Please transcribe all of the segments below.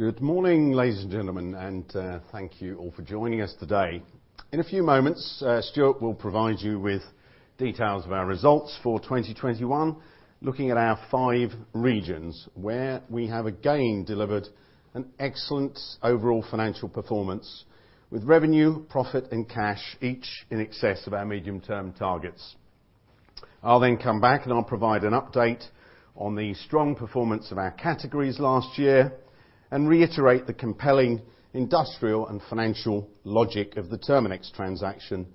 Good morning, ladies and gentlemen, and thank you all for joining us today. In a few moments, Stuart will provide you with details of our results for 2021, looking at our five regions where we have again delivered an excellent overall financial performance with revenue, profit, and cash each in excess of our medium-term targets. I'll then come back, and I'll provide an update on the strong performance of our categories last and reiterate the compelling industrial and financial logic of the Terminix transaction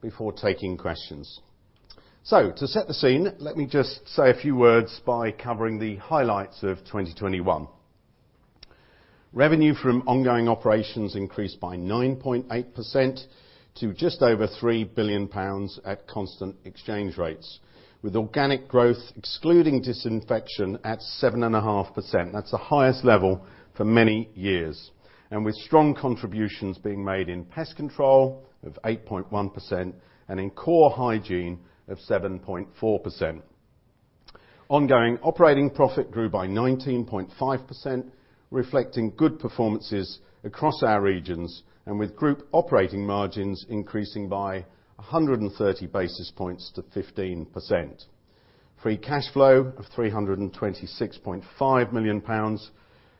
before taking questions. To set the scene, let me just say a few words by covering the highlights of 2021. Revenue from ongoing operations increased by 9.8% to just over 3 billion pounds at constant exchange rates, with organic growth excluding disinfection at 7.5%. That's the highest level for many years. With strong contributions being made in Pest Control of 8.1% and in core Hygiene of 7.4%. Ongoing operating profit grew by 19.5%, reflecting good performances across our regions and with group operating margins increasing by 130 basis points to 15%. Free cash flow of £326.5 million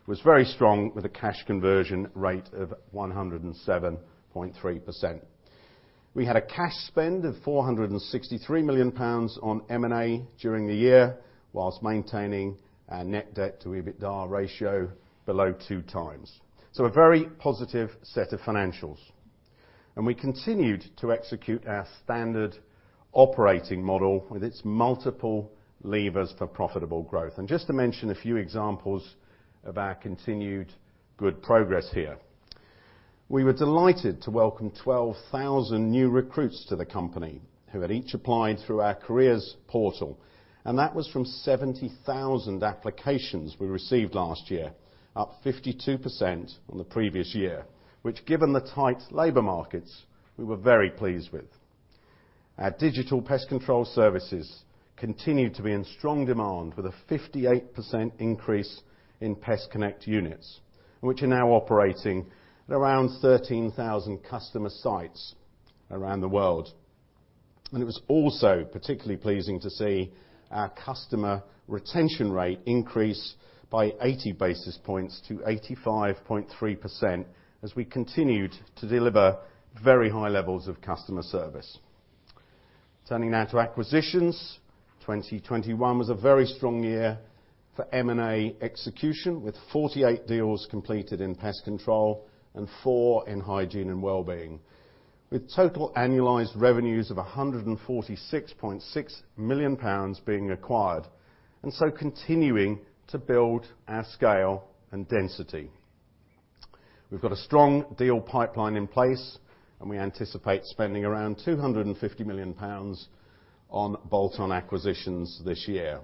was very strong with a cash conversion rate of 107.3%. We had a cash spend of £463 million on M&A during the year while maintaining our net debt to EBITDA ratio below 2x. A very positive set of financials. We continued to execute our standard operating model with its multiple levers for profitable growth. Just to mention a few examples of our continued good progress here. We were delighted to welcome 12,000 new recruits to the company who had each applied through our careers portal, and that was from 70,000 applications we received last year, up 52% on the previous year, which given the tight labor markets, we were very pleased with. Our digital pest control services continued to be in strong demand with a 58% increase in PestConnect units, which are now operating at around 13,000 customer sites around the world. It was also particularly pleasing to see our customer retention rate increase by 80 basis points to 85.3% as we continued to deliver very high levels of customer service. Turning now to acquisitions. 2021 was a very strong year for M&A execution, with 48 deals completed in Pest Control and 4 in Hygiene & Wellbeing, with total annualized revenues of 146.6 million pounds being acquired, and so continuing to build our scale and density. We've got a strong deal pipeline in place, and we anticipate spending around 250 million pounds on bolt-on acquisitions this year.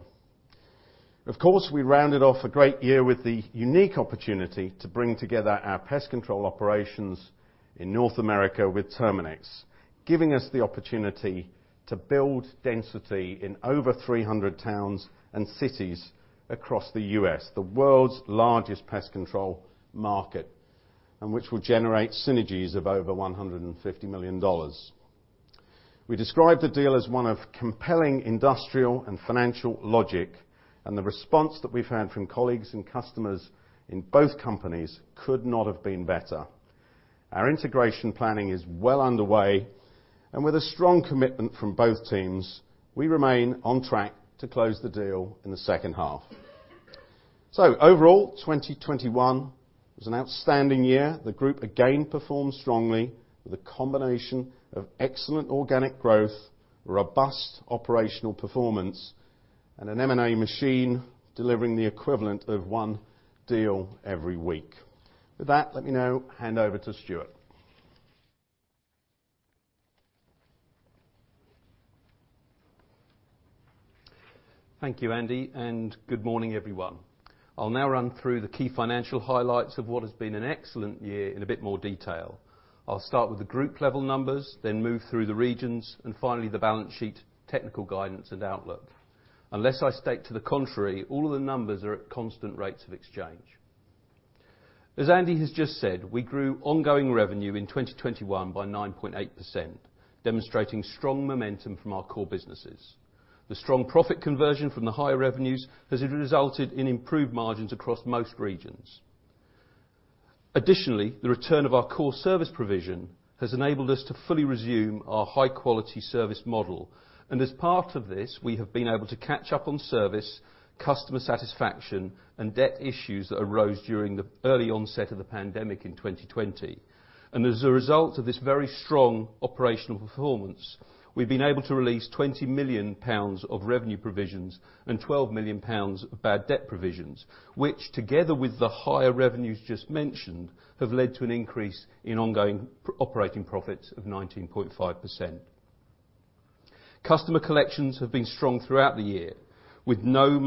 Of course, we rounded off a great year with the unique opportunity to bring together our Pest Control operations in North America with Terminix, giving us the opportunity to build density in over 300 towns and cities across the U.S., the world's largest pest control market, and which will generate synergies of over $150 million. We described the deal as one of compelling industrial and financial logic, and the response that we've had from colleagues and customers in both companies could not have been better. Our integration planning is well underway, and with a strong commitment from both teams, we remain on track to close the deal in the second half. Overall, 2021 was an outstanding year. The group again performed strongly with a combination of excellent organic growth, robust operational performance, and an M&A machine delivering the equivalent of 1 deal every week. With that, let me now hand over to Stuart. Thank you, Andy, and good morning, everyone. I'll now run through the key financial highlights of what has been an excellent year in a bit more detail. I'll start with the group level numbers, then move through the regions, and finally, the balance sheet, technical guidance, and outlook. Unless I state to the contrary, all of the numbers are at constant rates of exchange. As Andy has just said, we grew ongoing revenue in 2021 by 9.8%, demonstrating strong momentum from our core businesses. The strong profit conversion from the higher revenues has resulted in improved margins across most regions. Additionally, the return of our core service provision has enabled us to fully resume our high-quality service model. As part of this, we have been able to catch up on service, customer satisfaction, and debt issues that arose during the early onset of the pandemic in 2020. As a result of this very strong operational performance, we've been able to release 20 million pounds of revenue provisions and 12 million pounds of bad debt provisions, which together with the higher revenues just mentioned, have led to an increase in ongoing operating profits of 19.5%. Customer collections have been strong throughout the year, with no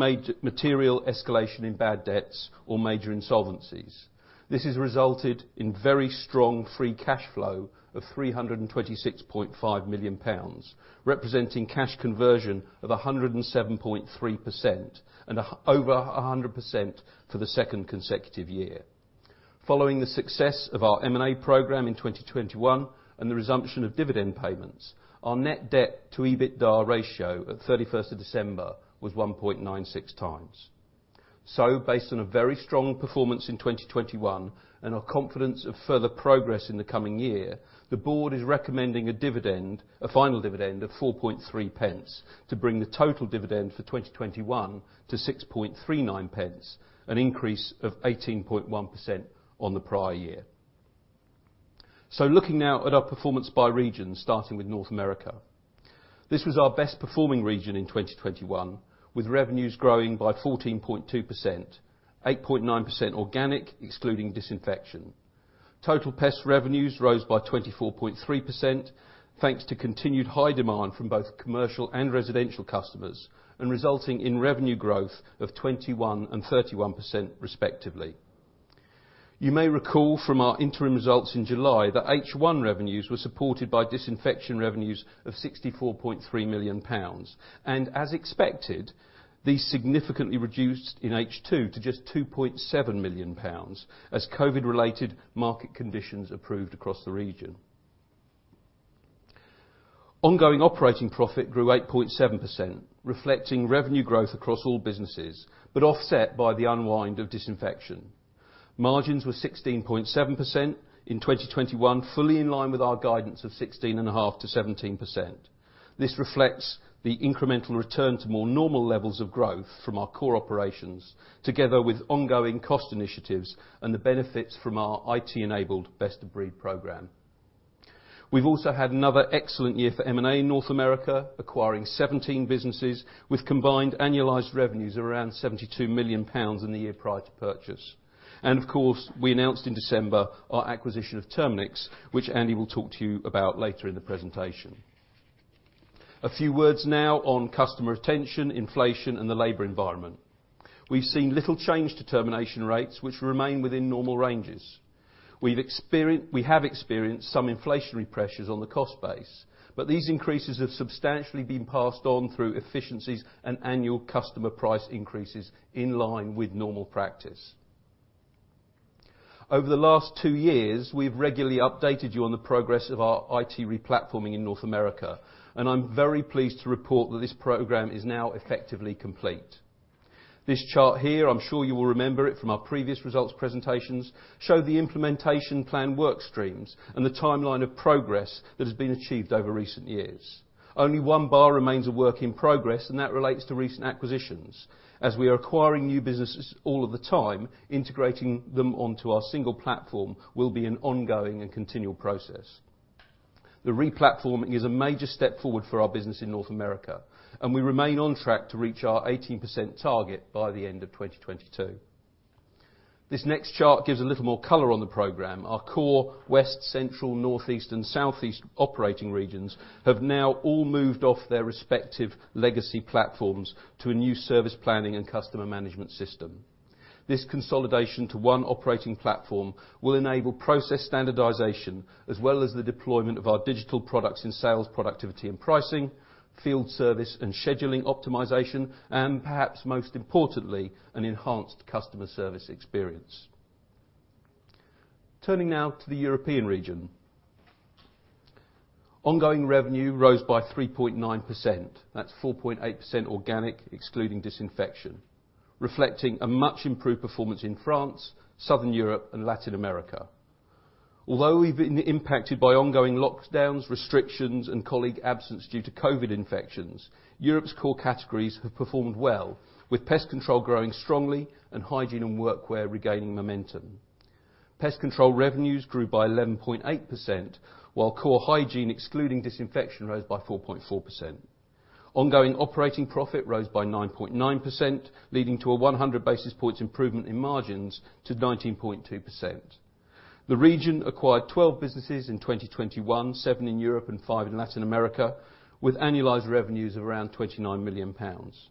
material escalation in bad debts or major insolvencies. This has resulted in very strong free cash flow of 326.5 million pounds, representing cash conversion of 107.3% and over 100% for the second consecutive year. Following the success of our M&A program in 2021 and the resumption of dividend payments, our net debt to EBITDA ratio at December 31 was 1.96 times. Based on a very strong performance in 2021 and our confidence of further progress in the coming year, the board is recommending a dividend, a final dividend of 0.043 to bring the total dividend for 2021 to 0.0639, an increase of 18.1% on the prior year. Looking now at our performance by region, starting with North America. This was our best performing region in 2021 with revenues growing by 14.2%, 8.9% organic excluding disinfection. Total pest revenues rose by 24.3%, thanks to continued high demand from both commercial and residential customers and resulting in revenue growth of 21% and 31% respectively. You may recall from our interim results in July that H1 revenues were supported by disinfection revenues of 64.3 million pounds, and as expected, these significantly reduced in H2 to just 2.7 million pounds as COVID-related market conditions improved across the region. Ongoing operating profit grew 8.7%, reflecting revenue growth across all businesses, but offset by the unwind of disinfection. Margins were 16.7% in 2021, fully in line with our guidance of 16.5%-17%. This reflects the incremental return to more normal levels of growth from our core operations together with ongoing cost initiatives and the benefits from our IT-enabled best of breed program. We've also had another excellent year for M&A in North America, acquiring 17 businesses with combined annualized revenues around 72 million pounds in the year prior to purchase. Of course, we announced in December our acquisition of Terminix, which Andy will talk to you about later in the presentation. A few words now on customer retention, inflation, and the labor environment. We've seen little change to termination rates, which remain within normal ranges. We have experienced some inflationary pressures on the cost base, but these increases have substantially been passed on through efficiencies and annual customer price increases in line with normal practice. Over the last two years, we've regularly updated you on the progress of our IT replatforming in North America, and I'm very pleased to report that this program is now effectively complete. This chart here, I'm sure you will remember it from our previous results presentations, show the implementation plan work streams and the timeline of progress that has been achieved over recent years. Only one bar remains a work in progress, and that relates to recent acquisitions. As we are acquiring new businesses all of the time, integrating them onto our single platform will be an ongoing and continual process. The replatforming is a major step forward for our business in North America, and we remain on track to reach our 18% target by the end of 2022. This next chart gives a little more color on the program. Our core West, Central, Northeast and Southeast operating regions have now all moved off their respective legacy platforms to a new service planning and customer management system. This consolidation to one operating platform will enable process standardization as well as the deployment of our digital products in sales, productivity and pricing, field service and scheduling optimization, and perhaps most importantly, an enhanced customer service experience. Turning now to the European region. Ongoing revenue rose by 3.9%. That's 4.8% organic excluding disinfection, reflecting a much improved performance in France, Southern Europe and Latin America. Although we've been impacted by ongoing lockdowns, restrictions and colleague absence due to COVID infections, Europe's core categories have performed well, with Pest Control growing strongly and Hygiene and Workwear regaining momentum. Pest Control revenues grew by 11.8%, while core Hygiene, excluding Disinfection, rose by 4.4%. Ongoing operating profit rose by 9.9%, leading to a 100 basis points improvement in margins to 19.2%. The region acquired 12 businesses in 2021, 7 in Europe and 5 in Latin America, with annualized revenues of around 29 million pounds.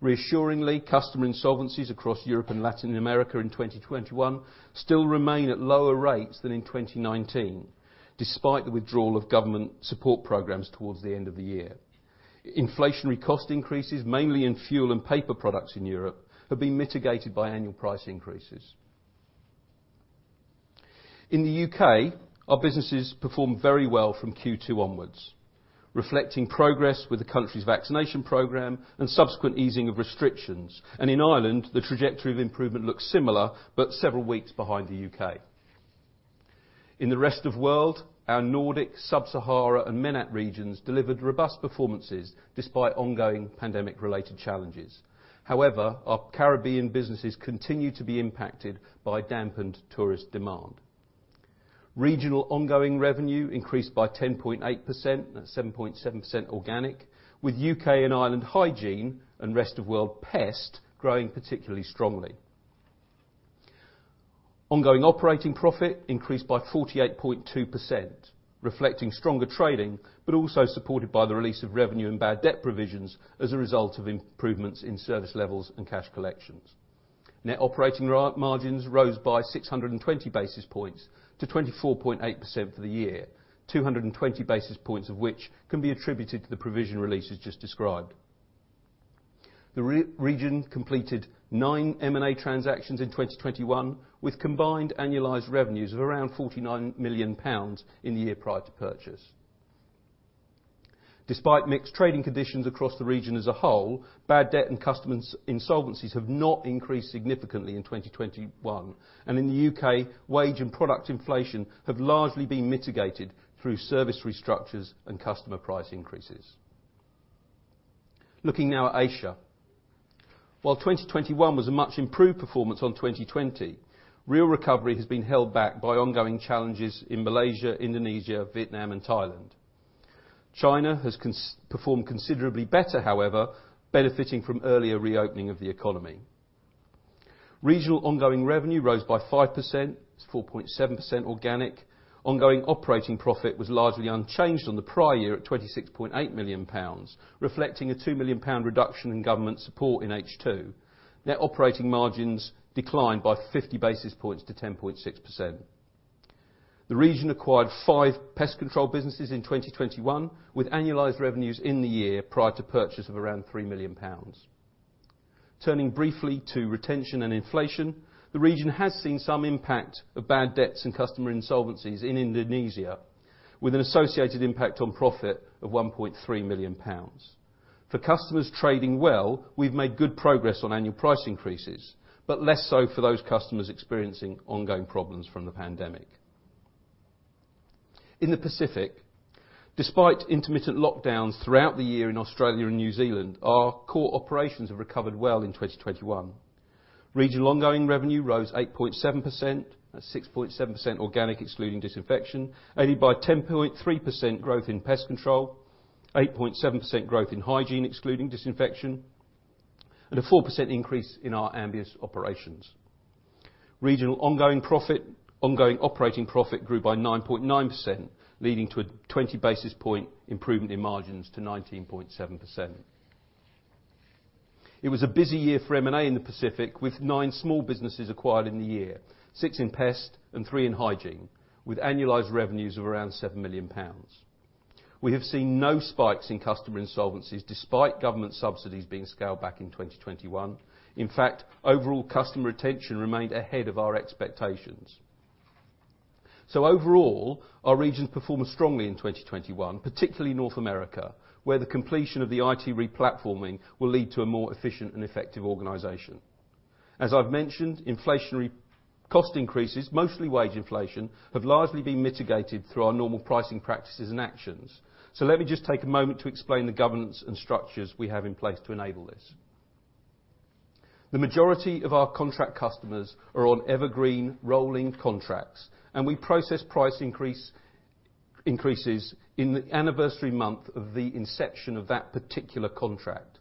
Reassuringly, customer insolvencies across Europe and Latin America in 2021 still remain at lower rates than in 2019, despite the withdrawal of government support programs towards the end of the year. Inflationary cost increases, mainly in fuel and paper products in Europe, have been mitigated by annual price increases. In the U.K., our businesses performed very well from Q2 onwards, reflecting progress with the country's vaccination program and subsequent easing of restrictions. In Ireland, the trajectory of improvement looks similar, but several weeks behind the U.K. In the rest of world, our Nordic, Sub-Sahara and MENAT regions delivered robust performances despite ongoing pandemic-related challenges. However, our Caribbean businesses continue to be impacted by dampened tourist demand. Regional ongoing revenue increased by 10.8%, that's 7.7% organic, with U.K. and Ireland hygiene and rest of world pest growing particularly strongly. Ongoing operating profit increased by 48.2%, reflecting stronger trading, but also supported by the release of revenue and bad debt provisions as a result of improvements in service levels and cash collections. Net operating margins rose by 620 basis points to 24.8% for the year, 220 basis points of which can be attributed to the provision release as just described. The region completed 9 M&A transactions in 2021, with combined annualized revenues of around 49 million pounds in the year prior to purchase. Despite mixed trading conditions across the region as a whole, bad debt and customers' insolvencies have not increased significantly in 2021, and in the U.K., wage and product inflation have largely been mitigated through service restructures and customer price increases. Looking now at Asia. While 2021 was a much improved performance on 2020, real recovery has been held back by ongoing challenges in Malaysia, Indonesia, Vietnam and Thailand. China has outperformed considerably better, however, benefiting from earlier reopening of the economy. Regional ongoing revenue rose by 5%, 4.7% organic. Ongoing operating profit was largely unchanged on the prior year at 26.8 million pounds, reflecting a 2 million pound reduction in government support in H2. Net operating margins declined by 50 basis points to 10.6%. The region acquired 5 pest control businesses in 2021, with annualized revenues in the year prior to purchase of around 3 million pounds. Turning briefly to retention and inflation, the region has seen some impact of bad debts and customer insolvencies in Indonesia, with an associated impact on profit of 1.3 million pounds. For customers trading well, we've made good progress on annual price increases, but less so for those customers experiencing ongoing problems from the pandemic. In the Pacific, despite intermittent lockdowns throughout the year in Australia and New Zealand, our core operations have recovered well in 2021. Regional ongoing revenue rose 8.7%, at 6.7% organic, excluding disinfection, aided by 10.3% growth in Pest Control, 8.7% growth in Hygiene excluding disinfection, and a 4% increase in our Ambios operations. Regional ongoing profit, ongoing operating profit grew by 9.9%, leading to a 20 basis point improvement in margins to 19.7%. It was a busy year for M&A in the Pacific, with 9 small businesses acquired in the year, 6 in pest and 3 in hygiene, with annualized revenues of around 7 million pounds. We have seen no spikes in customer insolvencies, despite government subsidies being scaled back in 2021. In fact, overall customer retention remained ahead of our expectations. Overall, our regions performed strongly in 2021, particularly North America, where the completion of the IT re-platforming will lead to a more efficient and effective organization. As I've mentioned, inflationary cost increases, mostly wage inflation, have largely been mitigated through our normal pricing practices and actions. Let me just take a moment to explain the governance and structures we have in place to enable this. The majority of our contract customers are on evergreen rolling contracts, and we process price increases in the anniversary month of the inception of that particular contract.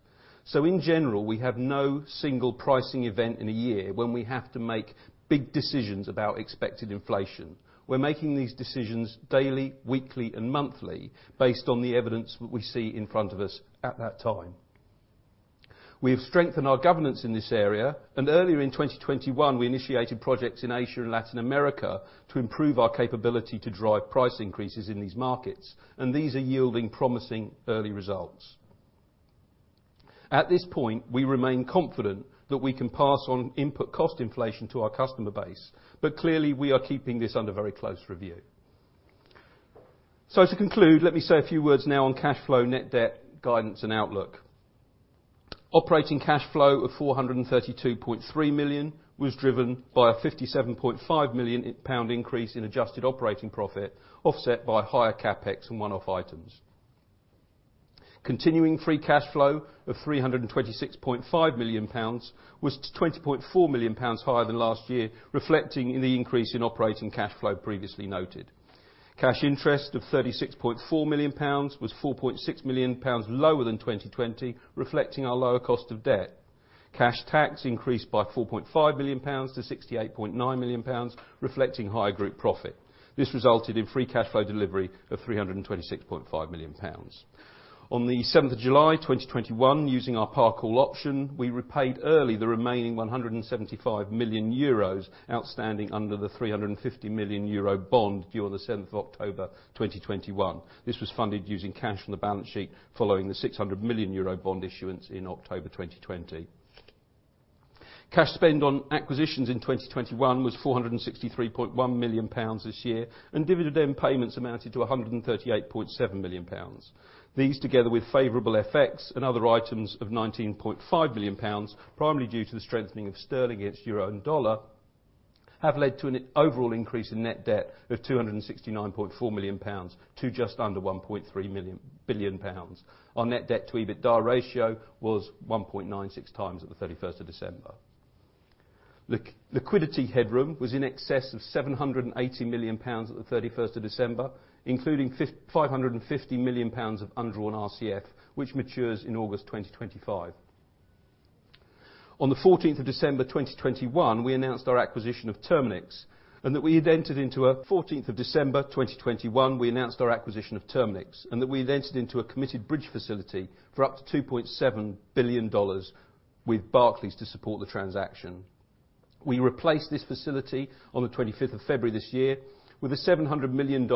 In general, we have no single pricing event in a year when we have to make big decisions about expected inflation. We're making these decisions daily, weekly, and monthly based on the evidence we see in front of us at that time. We have strengthened our governance in this area, and earlier in 2021, we initiated projects in Asia and Latin America to improve our capability to drive price increases in these markets, and these are yielding promising early results. At this point, we remain confident that we can pass on input cost inflation to our customer base, but clearly we are keeping this under very close review. To conclude, let me say a few words now on cash flow, net debt guidance and outlook. Operating cash flow of 432.3 million was driven by a 57.5 million pound increase in adjusted operating profit, offset by higher CapEx and one-off items. Continuing free cash flow of 326.5 million pounds was 20.4 million pounds higher than last year, reflecting the increase in operating cash flow previously noted. Cash interest of 36.4 million pounds was 4.6 million pounds lower than 2020, reflecting our lower cost of debt. Cash tax increased by 4.5 million pounds to 68.9 million pounds, reflecting higher group profit. This resulted in free cash flow delivery of 326.5 million pounds. On the seventh of July, 2021, using our par call option, we repaid early the remaining 175 million euros outstanding under the 350 million euro bond due on the seventh of October, 2021. This was funded using cash on the balance sheet following the 600 million euro bond issuance in October, 2020. Cash spend on acquisitions in 2021 was 463.1 million pounds this year, and dividend payments amounted to 138.7 million pounds. These, together with favorable FX and other items of 19.5 million pounds, primarily due to the strengthening of sterling against euro and dollar, have led to an overall increase in net debt of 269.4 million pounds to just under 1.3 billion pounds. Our net debt to EBITDA ratio was 1.96 times at the 31st of December. Liquidity headroom was in excess of 780 million pounds at the 31st of December, including 550 million pounds of undrawn RCF, which matures in August 2025. On the fourteenth of December, 2021, we announced our acquisition of Terminix, and that we had entered into a committed bridge facility for up to $2.7 billion with Barclays to support the transaction. We replaced this facility on the twenty-fifth of February this year with a $700 million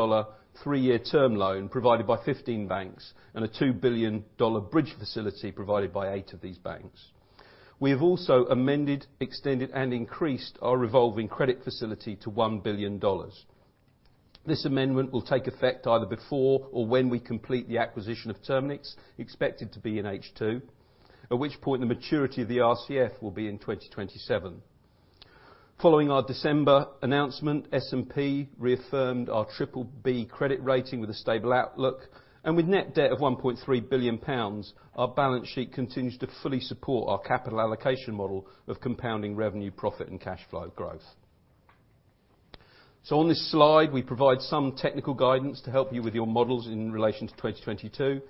three-year term loan provided by 15 banks and a $2 billion bridge facility provided by eight of these banks. We have also amended, extended, and increased our revolving credit facility to $1 billion. This amendment will take effect either before or when we complete the acquisition of Terminix, expected to be in H2, at which point the maturity of the RCF will be in 2027. Following our December announcement, S&P reaffirmed our BBB credit rating with a stable outlook. With net debt of 1.3 billion pounds, our balance sheet continues to fully support our capital allocation model of compounding revenue, profit, and cash flow growth. On this slide, we provide some technical guidance to help you with your models in relation to 2022.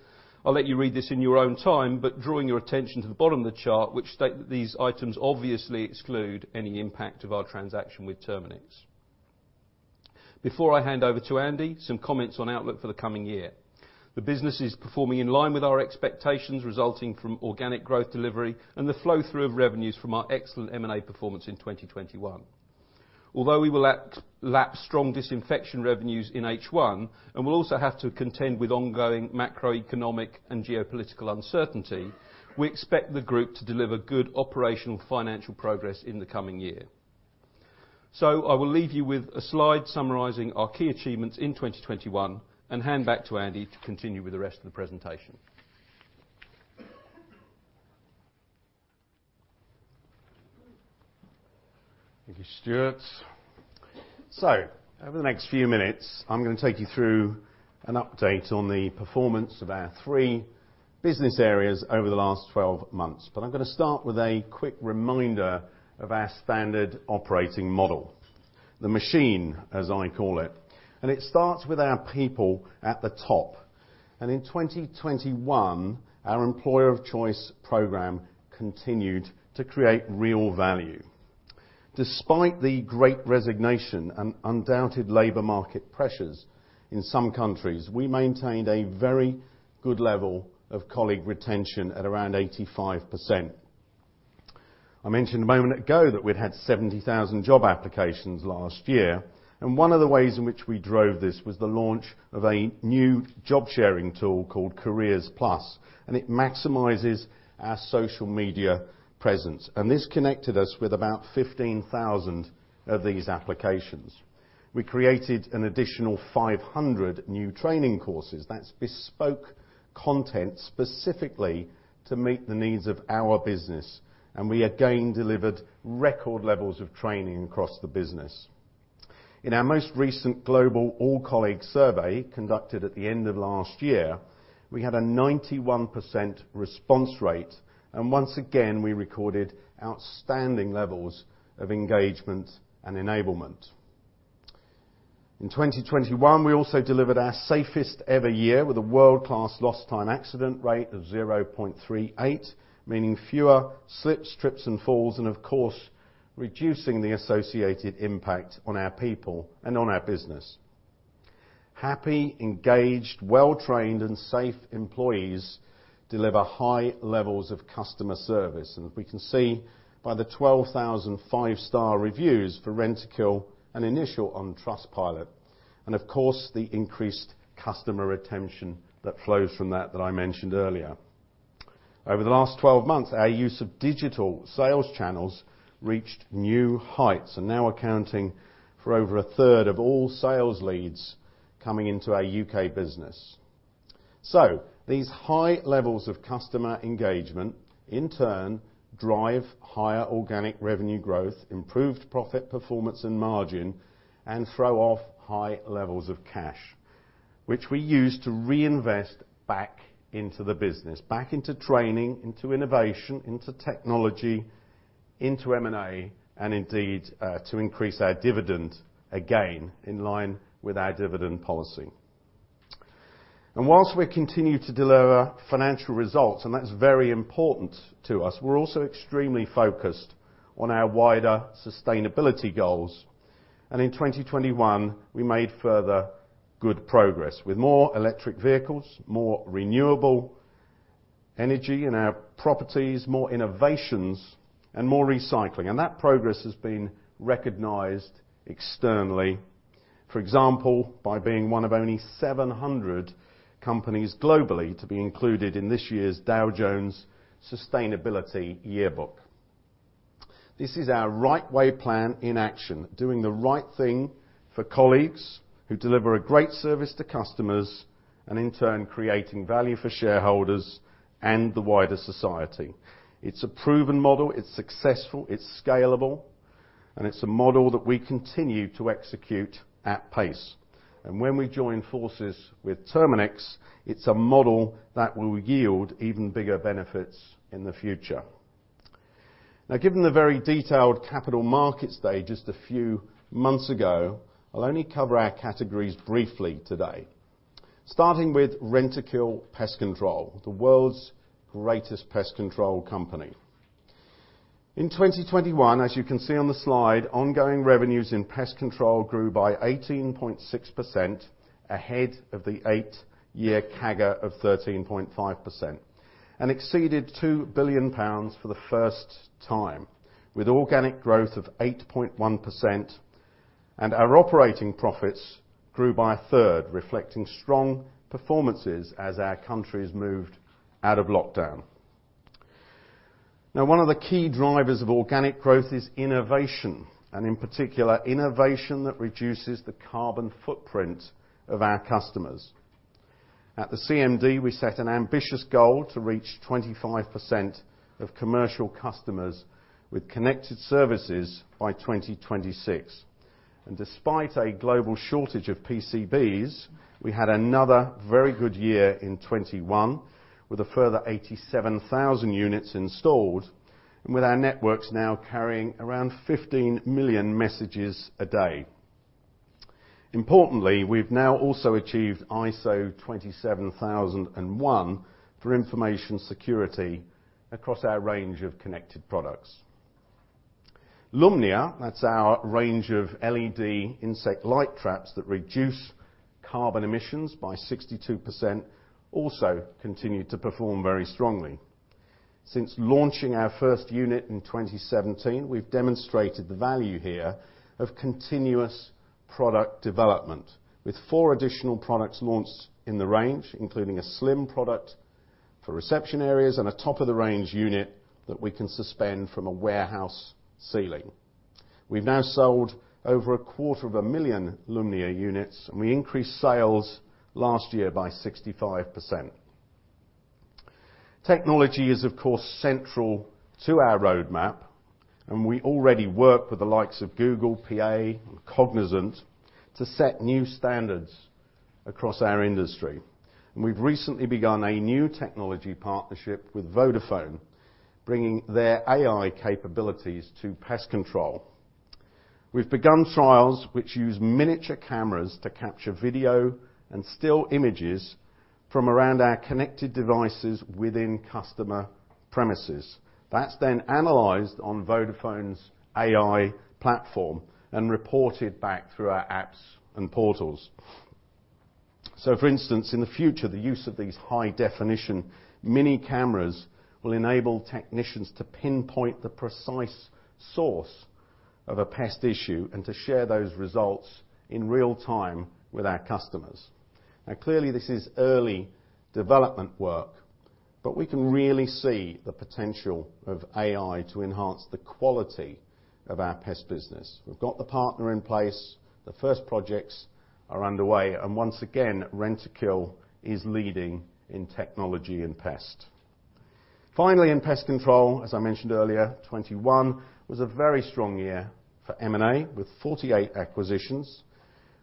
I'll let you read this in your own time, but drawing your attention to the bottom of the chart, which states that these items obviously exclude any impact of our transaction with Terminix. Before I hand over to Andy, some comments on outlook for the coming year. The business is performing in line with our expectations resulting from organic growth delivery and the flow-through of revenues from our excellent M&A performance in 2021. Although we will lap strong disinfection revenues in H1, and we'll also have to contend with ongoing macroeconomic and geopolitical uncertainty, we expect the group to deliver good operational financial progress in the coming year. I will leave you with a slide summarizing our key achievements in 2021 and hand back to Andy to continue with the rest of the presentation. Thank you, Stuart. Over the next few minutes, I'm gonna take you through an update on the performance of our three business areas over the last 12 months. I'm gonna start with a quick reminder of our standard operating model, the machine, as I call it, and it starts with our people at the top. In 2021, our employer of choice program continued to create real value. Despite the great resignation and undoubted labor market pressures in some countries, we maintained a very good level of colleague retention at around 85%. I mentioned a moment ago that we'd had 70,000 job applications last year, and one of the ways in which we drove this was the launch of a new job sharing tool called Careers Plus, and it maximizes our social media presence. This connected us with about 15,000 of these applications. We created an additional 500 new training courses. That's bespoke content specifically to meet the needs of our business, and we again delivered record levels of training across the business. In our most recent global all-colleague survey, conducted at the end of last year, we had a 91% response rate, and once again, we recorded outstanding levels of engagement and enablement. In 2021, we also delivered our safest ever year with a world-class lost time accident rate of 0.38, meaning fewer slips, trips, and falls, and of course, reducing the associated impact on our people and on our business. Happy, engaged, well-trained, and safe employees deliver high levels of customer service, and we can see by the 12,000 five-star reviews for Rentokil Initial on Trustpilot, and of course, the increased customer retention that flows from that that I mentioned earlier. Over the last 12 months, our use of digital sales channels reached new heights and now accounting for over a third of all sales leads coming into our U.K. business. These high levels of customer engagement in turn drive higher organic revenue growth, improved profit performance and margin, and throw off high levels of cash, which we use to reinvest back into the business, back into training, into innovation, into technology, into M&A, and indeed, to increase our dividend again in line with our dividend policy. While we continue to deliver financial results, and that's very important to us, we're also extremely focused on our wider sustainability goals. In 2021, we made further good progress with more electric vehicles, more renewable energy in our properties, more innovations, and more recycling. That progress has been recognized externally. For example, by being one of only 700 companies globally to be included in this year's S&P Global Sustainability Yearbook. This is our RIGHT WAY plan in action, doing the right thing for colleagues who deliver a great service to customers and in turn creating value for shareholders and the wider society. It's a proven model. It's successful. It's scalable. It's a model that we continue to execute at pace. When we join forces with Terminix, it's a model that will yield even bigger benefits in the future. Now, given the very detailed capital markets day just a few months ago, I'll only cover our categories briefly today. Starting with Rentokil Pest Control, the world's greatest pest control company. In 2021, as you can see on the slide, ongoing revenues in Pest Control grew by 18.6% ahead of the eight-year CAGR of 13.5% and exceeded 2 billion pounds for the first time with organic growth of 8.1%. Our operating profits grew by a third, reflecting strong performances as our countries moved out of lockdown. Now, one of the key drivers of organic growth is innovation, and in particular, innovation that reduces the carbon footprint of our customers. At the CMD, we set an ambitious goal to reach 25% of commercial customers with connected services by 2026. Despite a global shortage of PCBs, we had another very good year in 2021, with a further 87,000 units installed, and with our networks now carrying around 15 million messages a day. Importantly, we've now also achieved ISO 27001 for information security across our range of connected products. Lumnia, that's our range of LED insect light traps that reduce carbon emissions by 62%, also continued to perform very strongly. Since launching our first unit in 2017, we've demonstrated the value here of continuous product development, with 4 additional products launched in the range, including a slim product for reception areas and a top-of-the-range unit that we can suspend from a warehouse ceiling. We've now sold over a of a million Lumnia units, and we increased sales last year by 65%. Technology is, of course, central to our roadmap, and we already work with the likes of Google, PA, and Cognizant to set new standards across our industry. We've recently begun a new technology partnership with Vodafone, bringing their AI capabilities to pest control. We've begun trials which use miniature cameras to capture video and still images from around our connected devices within customer premises. That's then analyzed on Vodafone's AI platform and reported back through our apps and portals. For instance, in the future, the use of these high-definition mini cameras will enable technicians to pinpoint the precise source of a pest issue and to share those results in real time with our customers. Now, clearly, this is early development work, but we can really see the potential of AI to enhance the quality of our pest business. We've got the partner in place, the first projects are underway. Once again, Rentokil is leading in technology and pest. Finally, in pest control, as I mentioned earlier, 2021 was a very strong year for M&A, with 48 acquisitions.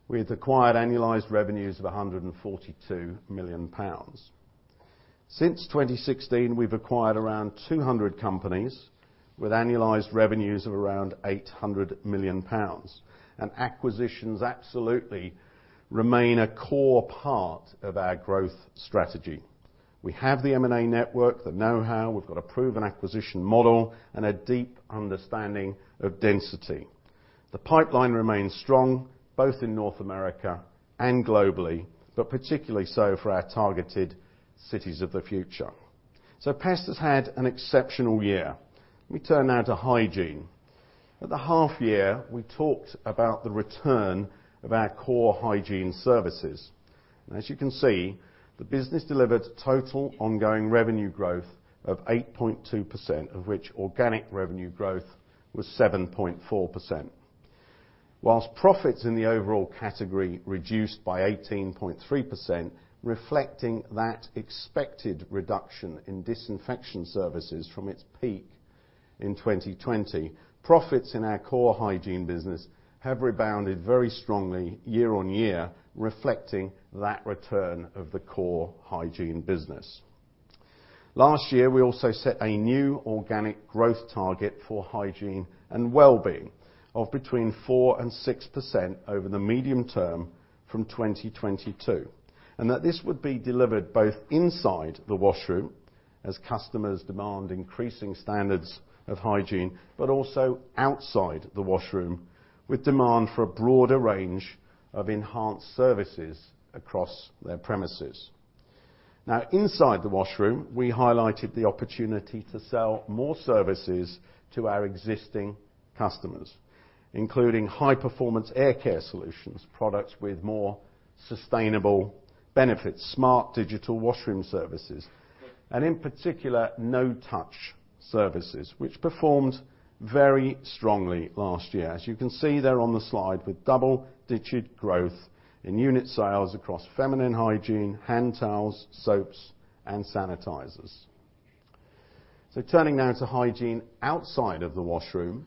We had acquired annualized revenues of 142 million pounds. Since 2016, we've acquired around 200 companies with annualized revenues of around 800 million pounds. Acquisitions absolutely remain a core part of our growth strategy. We have the M&A network, the know-how, we've got a proven acquisition model, and a deep understanding of density. The pipeline remains strong both in North America and globally, but particularly so for our targeted cities of the future. Pest has had an exceptional year. We turn now to Hygiene. At the half year, we talked about the return of our core Hygiene services. As you can see, the business delivered total ongoing revenue growth of 8.2%, of which organic revenue growth was 7.4%. While profits in the overall category reduced by 18.3%, reflecting that expected reduction in disinfection services from its peak in 2020, profits in our core Hygiene & Wellbeing business have rebounded very strongly year-on-year, reflecting that return of the core Hygiene & Wellbeing business. Last year, we also set a new organic growth target for Hygiene & Wellbeing of between 4% and 6% over the medium term from 2022, and that this would be delivered both inside the washroom as customers demand increasing standards of hygiene, but also outside the washroom, with demand for a broader range of enhanced services across their premises. Now inside the washroom, we highlighted the opportunity to sell more services to our existing customers, including high-performance air care solutions, products with more sustainable benefits, smart digital washroom services, and in particular, no-touch services, which performed very strongly last year. As you can see there on the slide with double-digit growth in unit sales across feminine hygiene, hand towels, soaps, and sanitizers. Turning now to hygiene outside of the washroom.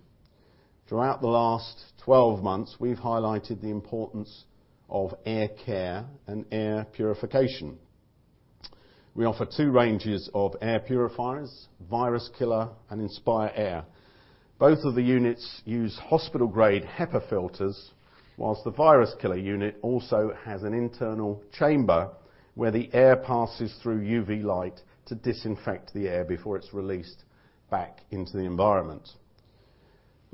Throughout the last 12 months, we've highlighted the importance of air care and air purification. We offer two ranges of air purifiers, VIRUSKILLER and InspireAir. Both of the units use hospital-grade HEPA filters, while the VIRUSKILLER unit also has an internal chamber where the air passes through UV light to disinfect the air before it's released back into the environment.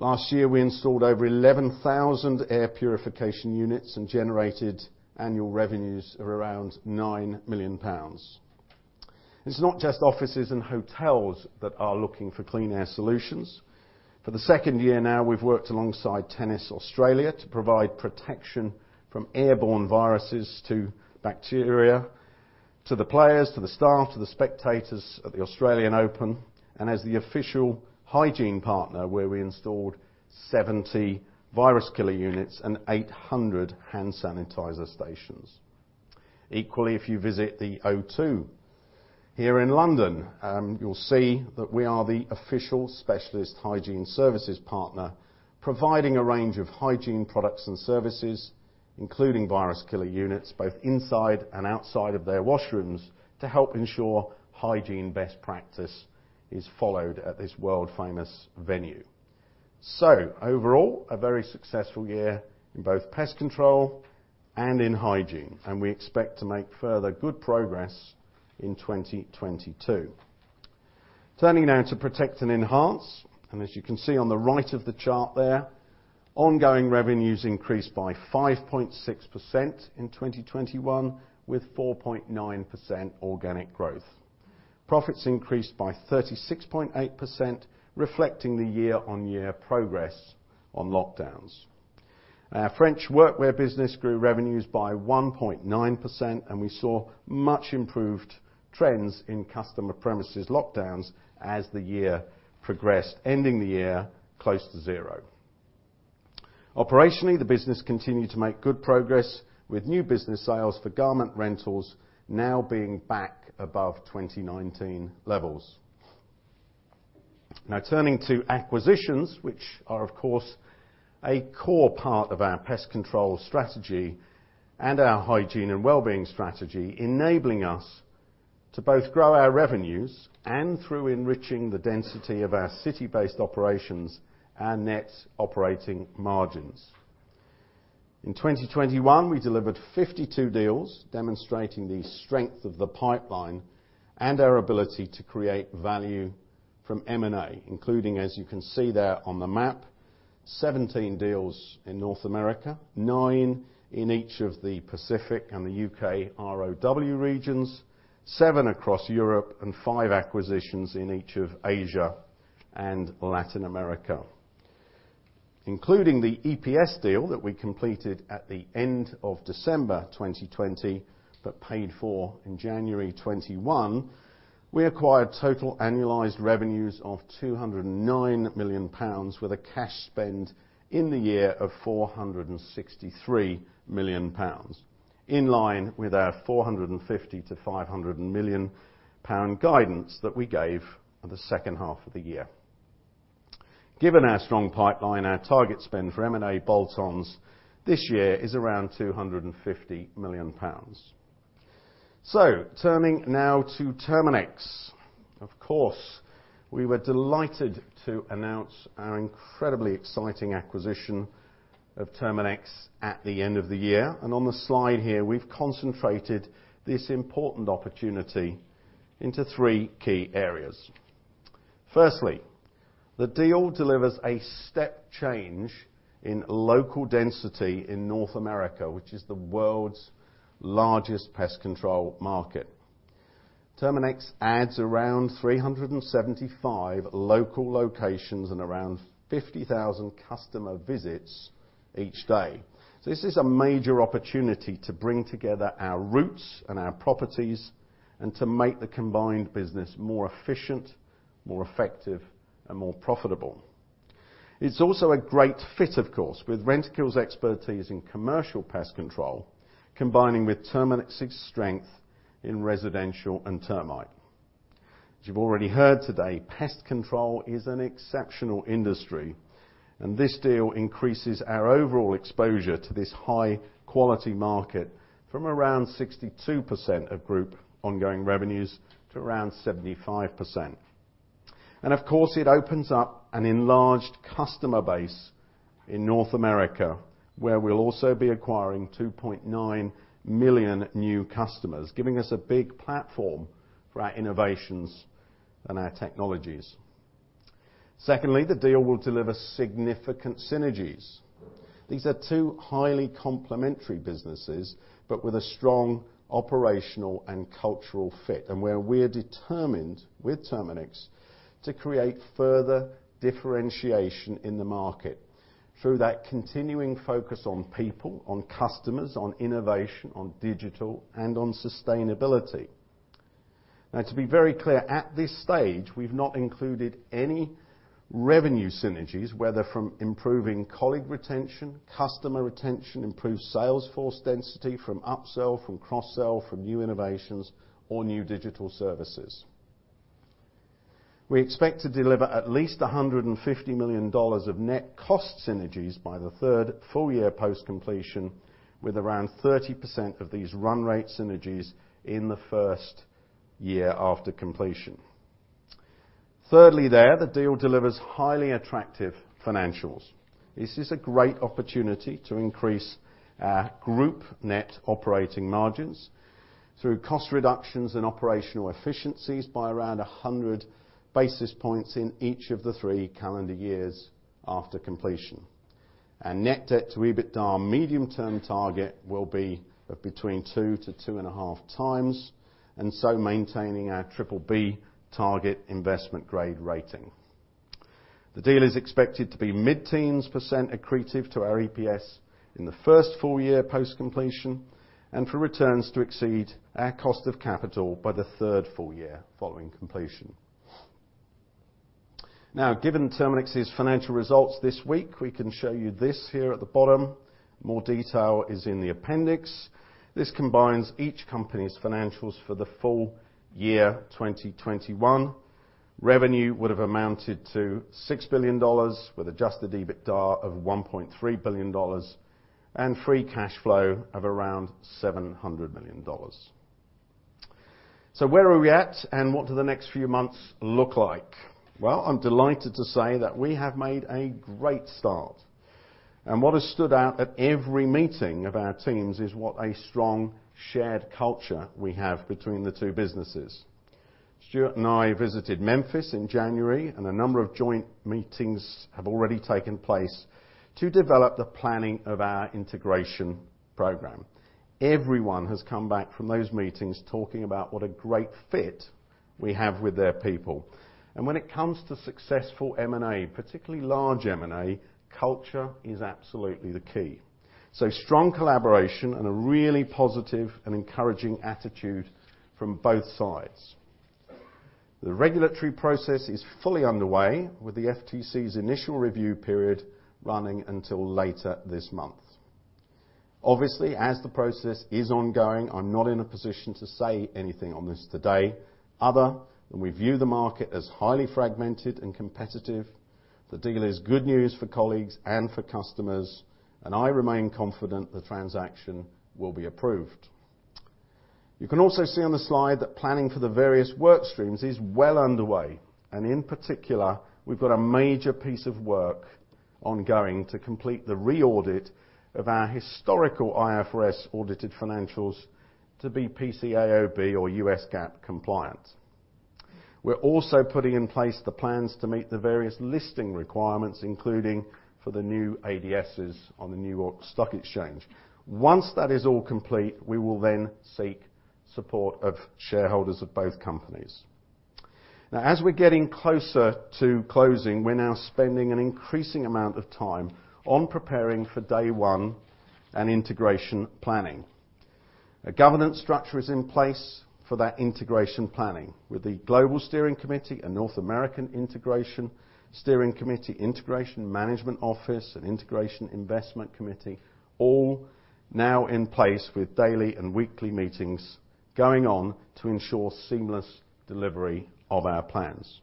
Last year, we installed over 11,000 air purification units and generated annual revenues of around 9 million pounds. It's not just offices and hotels that are looking for clean air solutions. For the second year now, we've worked alongside Tennis Australia to provide protection from airborne viruses to bacteria, to the players, to the staff, to the spectators at the Australian Open, and as the official hygiene partner, where we installed 70 VIRUSKILLER units and 800 hand sanitizer stations. Equally, if you visit the O2 here in London, you'll see that we are the official specialist hygiene services partner, providing a range of hygiene products and services, including VIRUSKILLER units, both inside and outside of their washrooms, to help ensure hygiene best practice is followed at this world-famous venue. Overall, a very successful year in both Pest Control and in Hygiene, and we expect to make further good progress in 2022. Turning now to Protect & Enhance, as you can see on the right of the chart there, ongoing revenues increased by 5.6% in 2021, with 4.9% organic growth. Profits increased by 36.8%, reflecting the year-on-year progress on lockdowns. Our French workwear business grew revenues by 1.9%, and we saw much improved trends in customer premises lockdowns as the year progressed, ending the year close to zero. Operationally, the business continued to make good progress, with new business sales for garment rentals now being back above 2019 levels. Now turning to acquisitions, which are of course a core part of our Pest Control strategy and our Hygiene & Wellbeing strategy, enabling us to both grow our revenues and through enriching the density of our city-based operations and net operating margins. In 2021, we delivered 52 deals, demonstrating the strength of the pipeline and our ability to create value from M&A, including, as you can see there on the map, 17 deals in North America, 9 in each of the Pacific and the U.K. ROW regions, 7 across Europe, and 5 acquisitions in each of Asia and Latin America. Including the EPS deal that we completed at the end of December 2020, but paid for in January 2021, we acquired total annualized revenues of 209 million pounds with a cash spend in the year of 463 million pounds, in line with our 450 million-500 million pound guidance that we gave for the second half of the year. Given our strong pipeline, our target spend for M&A bolt-ons this year is around 250 million pounds. Turning now to Terminix. Of course, we were delighted to announce our incredibly exciting acquisition of Terminix at the end of the year. On the slide here, we've concentrated this important opportunity into three key areas. Firstly, the deal delivers a step change in local density in North America, which is the world's largest pest control market. Terminix adds around 375 local locations and around 50,000 customer visits each day. This is a major opportunity to bring together our routes and our properties and to make the combined business more efficient, more effective, and more profitable. It's also a great fit, of course, with Rentokil's expertise in commercial pest control, combining with Terminix's strength in residential and termite. As you've already heard today, pest control is an exceptional industry, and this deal increases our overall exposure to this high-quality market from around 62% of group ongoing revenues to around 75%. Of course, it opens up an enlarged customer base in North America, where we'll also be acquiring 2.9 million new customers, giving us a big platform for our innovations and our technologies. Secondly, the deal will deliver significant synergies. These are two highly complementary businesses, but with a strong operational and cultural fit, and where we're determined with Terminix to create further differentiation in the market through that continuing focus on people, on customers, on innovation, on digital, and on sustainability. Now to be very clear, at this stage, we've not included any revenue synergies, whether from improving colleague retention, customer retention, improved sales force density from upsell, from cross-sell, from new innovations or new digital services. We expect to deliver at least $150 million of net cost synergies by the third full year post completion, with around 30% of these run rate synergies in the first year after completion. Thirdly, there, the deal delivers highly attractive financials. This is a great opportunity to increase our group net operating margins through cost reductions and operational efficiencies by around 100 basis points in each of the 3 calendar years after completion. Our net debt to EBITDA medium-term target will be of between 2-2.5 times, and so maintaining our BBB target investment grade rating. The deal is expected to be mid-teens% accretive to our EPS in the first full year post-completion, and for returns to exceed our cost of capital by the third full year following completion. Now, given Terminix's financial results this week, we can show you this here at the bottom. More detail is in the appendix. This combines each company's financials for the full year 2021. Revenue would have amounted to $6 billion with adjusted EBITDA of $1.3 billion and free cash flow of around $700 million. So where are we at, and what do the next few months look like? Well, I'm delighted to say that we have made a great start. What has stood out at every meeting of our teams is what a strong, shared culture we have between the two businesses. Stuart and I visited Memphis in January, and a number of joint meetings have already taken place to develop the planning of our integration program. Everyone has come back from those meetings talking about what a great fit we have with their people. When it comes to successful M&A, particularly large M&A, culture is absolutely the key, strong collaboration and a really positive and encouraging attitude from both sides. The regulatory process is fully underway, with the FTC's initial review period running until later this month. Obviously, as the process is ongoing, I'm not in a position to say anything on this today. Other than we view the market as highly fragmented and competitive, the deal is good news for colleagues and for customers, and I remain confident the transaction will be approved. You can also see on the slide that planning for the various work streams is well underway, and in particular, we've got a major piece of work ongoing to complete the re-audit of our historical IFRS audited financials to be PCAOB or U.S. GAAP compliant. We're also putting in place the plans to meet the various listing requirements, including for the new ADSs on the New York Stock Exchange. Once that is all complete, we will then seek support of shareholders of both companies. Now as we're getting closer to closing, we're now spending an increasing amount of time on preparing for day one and integration planning. A governance structure is in place for that integration planning with the Global Steering Committee and North American Integration Steering Committee, Integration Management Office, and Integration Investment Committee all now in place with daily and weekly meetings going on to ensure seamless delivery of our plans.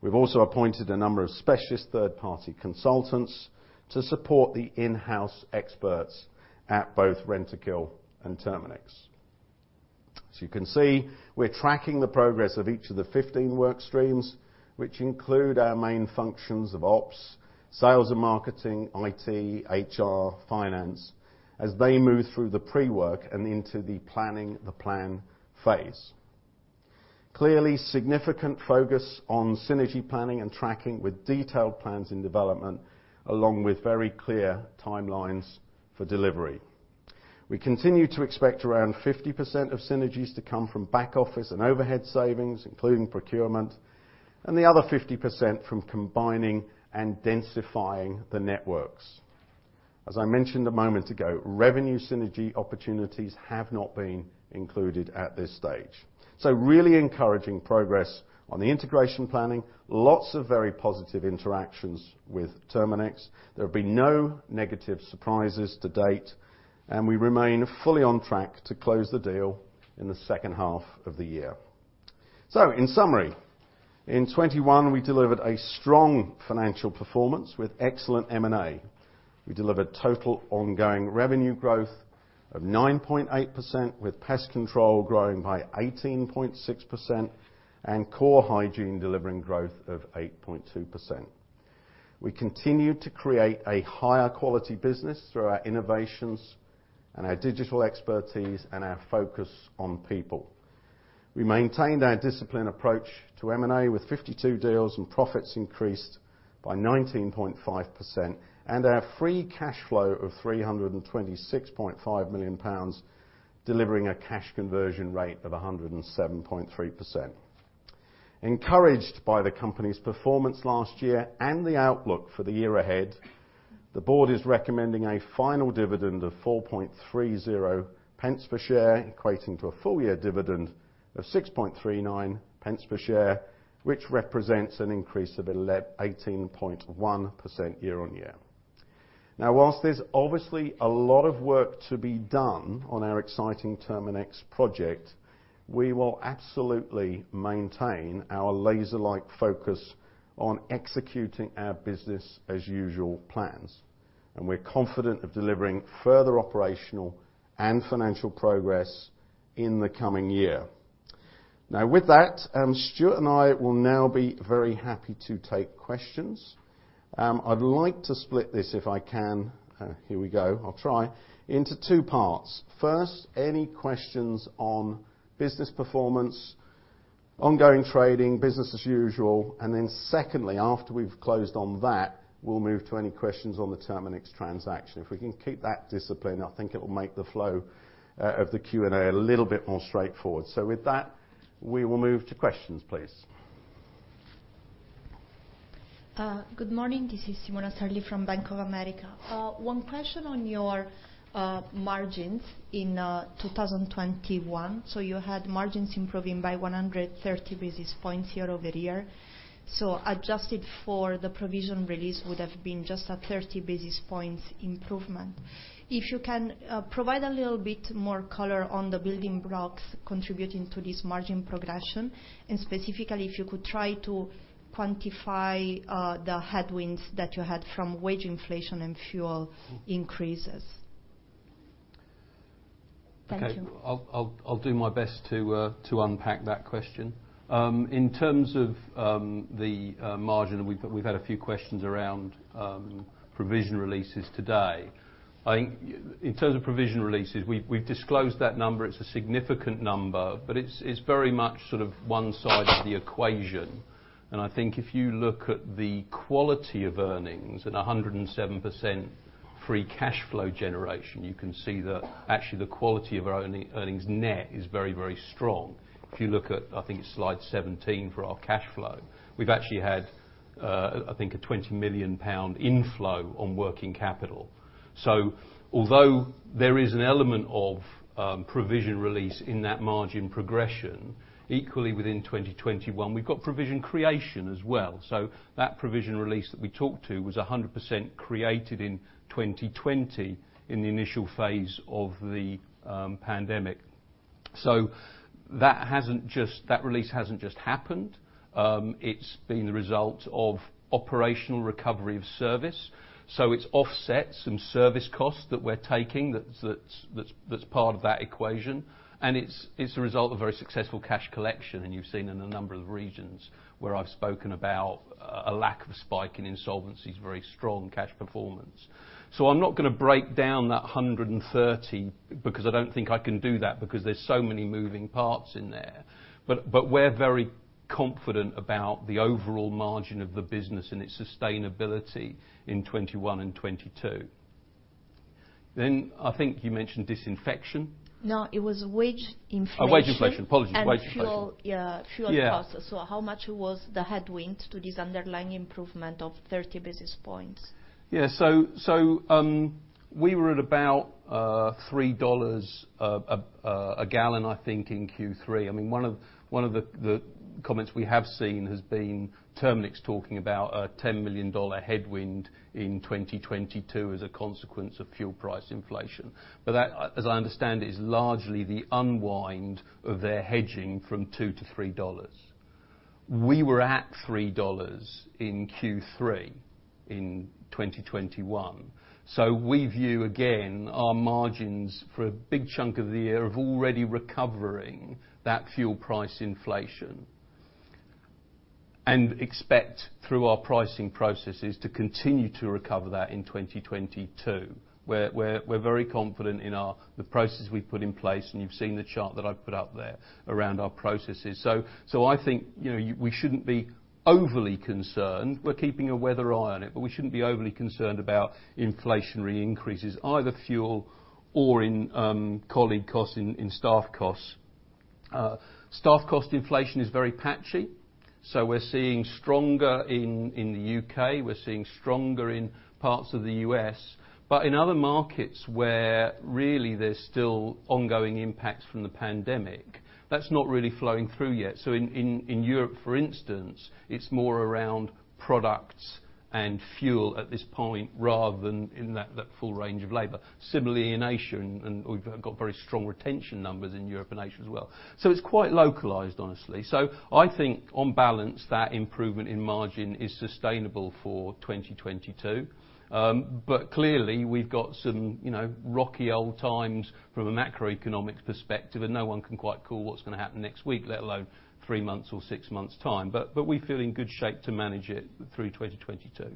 We've also appointed a number of specialist third-party consultants to support the in-house experts at both Rentokil and Terminix. As you can see, we're tracking the progress of each of the 15 work streams, which include our main functions of ops, sales and marketing, IT, HR, finance, as they move through the pre-work and into the planning phase. Clearly, significant focus on synergy planning and tracking with detailed plans in development, along with very clear timelines for delivery. We continue to expect around 50% of synergies to come from back-office and overhead savings, including procurement, and the other 50% from combining and densifying the networks. As I mentioned a moment ago, revenue synergy opportunities have not been included at this stage. Really encouraging progress on the integration planning. Lots of very positive interactions with Terminix. There have been no negative surprises to date, and we remain fully on track to close the deal in the second half of the year. In summary, in 2021, we delivered a strong financial performance with excellent M&A. We delivered total ongoing revenue growth of 9.8%, with Pest Control growing by 18.6% and Core Hygiene delivering growth of 8.2%. We continued to create a higher quality business through our innovations and our digital expertise and our focus on people. We maintained our disciplined approach to M&A with 52 deals and profits increased by 19.5%, and our free cash flow of 326.5 million pounds, delivering a cash conversion rate of 107.3%. Encouraged by the company's performance last year and the outlook for the year ahead, the board is recommending a final dividend of 4.30 pence per share, equating to a full year dividend of 6.39 pence per share, which represents an increase of 18.1% year-on-year. Now while there's obviously a lot of work to be done on our exciting Terminix project, we will absolutely maintain our laser-like focus on executing our business as usual plans, and we're confident of delivering further operational and financial progress in the coming year. Now with that, Stuart and I will now be very happy to take questions. I'd like to split this if I can. Here we go. I'll try into two parts. First, any questions on business performance? Ongoing trading, business as usual. Secondly, after we've closed on that, we'll move to any questions on the Terminix transaction. If we can keep that discipline, I think it will make the flow of the Q&A a little bit more straightforward. With that, we will move to questions, please. Good morning. This is Sylvia Sarli from Bank of America. One question on your margins in 2021. You had margins improving by 130 basis points year-over-year. Adjusted for the provision release would have been just a 30-basis points improvement. If you can provide a little bit more color on the building blocks contributing to this margin progression, and specifically if you could try to quantify the headwinds that you had from wage inflation and fuel increases. Thank you. Okay. I'll do my best to unpack that question. In terms of the margin, we've had a few questions around provision releases today. I think in terms of provision releases, we've disclosed that number. It's a significant number, but it's very much sort of one side of the equation. If you look at the quality of earnings and 107% free cash flow generation, you can see that actually the quality of our own earnings net is very, very strong. If you look at, I think it's slide 17 for our cash flow, we've actually had I think a 20 million pound inflow on working capital. Although there is an element of provision release in that margin progression, equally within 2021, we've got provision creation as well. That provision release that we talked to was 100% created in 2020 in the initial phase of the pandemic. That release hasn't just happened. It's been the result of operational recovery of service. It's offset some service costs that we're taking that's part of that equation, and it's a result of very successful cash collection that you've seen in a number of regions where I've spoken about a lack of spike in insolvencies, very strong cash performance. I'm not gonna break down that 130, because I don't think I can do that because there's so many moving parts in there. We're very confident about the overall margin of the business and its sustainability in 2021 and 2022. I think you mentioned disinfection. No, it was wage inflation. Oh, wage inflation. Apologies. Wage inflation. Fuel. Yeah- Yeah Fuel costs. How much was the headwind to this underlying improvement of 30 basis points? Yeah. We were at about $3 a gallon, I think, in Q3. I mean, one of the comments we have seen has been Terminix talking about a $10 million headwind in 2022 as a consequence of fuel price inflation. That, as I understand, is largely the unwind of their hedging from $2 to $3. We were at $3 in Q3 in 2021. We view, again, our margins for a big chunk of the year already recovering that fuel price inflation. Expect through our pricing processes to continue to recover that in 2022. We're very confident in our processes we've put in place, and you've seen the chart that I've put up there around our processes. I think, you know, we shouldn't be overly concerned. We're keeping a weather eye on it, but we shouldn't be overly concerned about inflationary increases, either fuel or in colleague costs and in staff costs. Staff cost inflation is very patchy, so we're seeing stronger in the U.K. We're seeing stronger in parts of the U.S. In other markets, where really there's still ongoing impacts from the pandemic, that's not really flowing through yet. In Europe, for instance, it's more around products and fuel at this point rather than in that full range of labor. Similarly in Asia, and we've got very strong retention numbers in Europe and Asia as well. It's quite localized, honestly. I think on balance, that improvement in margin is sustainable for 2022. Clearly, we've got some, rocky old times from a macroeconomics perspective, and no one can quite call what's gonna happen next week, let alone three months or six months' time. We feel in good shape to manage it through 2022.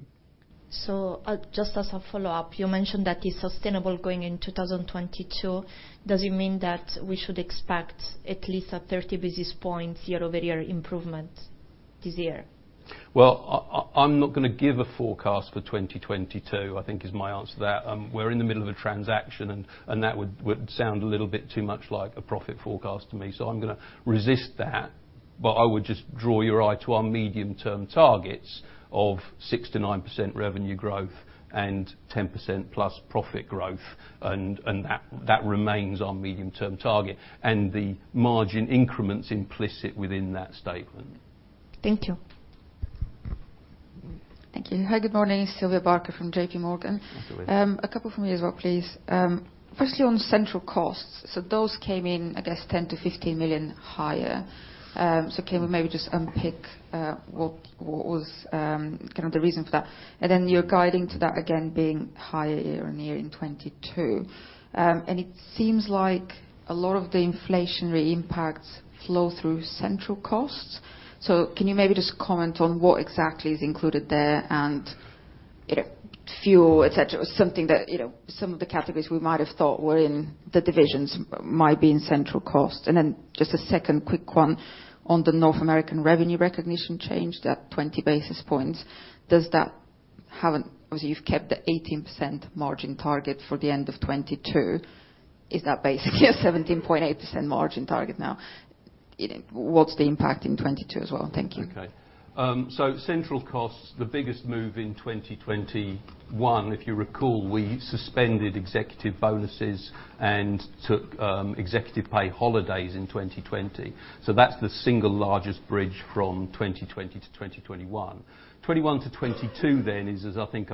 Just as a follow-up. You mentioned that it's sustainable going in 2022. Does it mean that we should expect at least 30 basis points year-over-year improvement this year? Well, I’m not gonna give a forecast for 2022. I think that’s my answer to that. We're in the middle of a transaction and that would sound a little bit too much like a profit forecast to me. I'm gonna resist that. I would just draw your eye to our medium-term targets of 6%-9% revenue growth and 10%+ profit growth. That remains our medium-term target. The margin increment's implicit within that statement. Thank you. Mm-hmm. Thank you. Hi, good morning. Jane L. Sparrow from J.P. Morgan. Hi, Jane L. Sparrow. A couple from me as well, please. Firstly, on central costs. Those came in, I guess 10 million-15 million higher. Can you maybe just unpick what was kind of the reason for that? And then you're guiding to that again being higher year-on-year in 2022. And it seems like a lot of the inflationary impacts flow through central costs. Can you maybe just comment on what exactly is included there and fuel, et cetera? Something that, some of the categories we might have thought were in the divisions might be in central costs. And then just a second quick one on the North American revenue recognition change, that 20 basis points. Does that have a. You've kept the 18% margin target for the end of 2022. Is that basically a 17.8% margin target now? You know, what's the impact in 2022 as well? Thank you. Central costs, the biggest move in 2021, if you recall, we suspended executive bonuses and took executive pay holidays in 2020. That's the single largest bridge from 2020 to 2021. 2021 to 2022 then is, as I think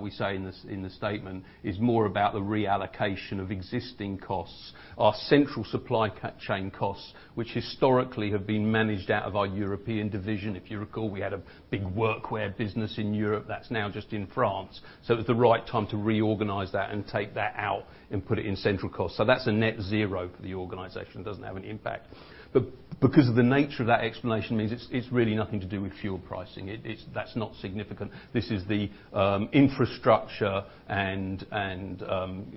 we say in the statement, more about the reallocation of existing costs. Our central supply chain costs, which historically have been managed out of our European division. If you recall, we had a big Workwear business in Europe that's now just in France. It was the right time to reorganize that and take that out and put it in central costs. That's a net zero for the organization. It doesn't have an impact. But because of the nature of that explanation means it's really nothing to do with fuel pricing. That's not significant. This is the infrastructure and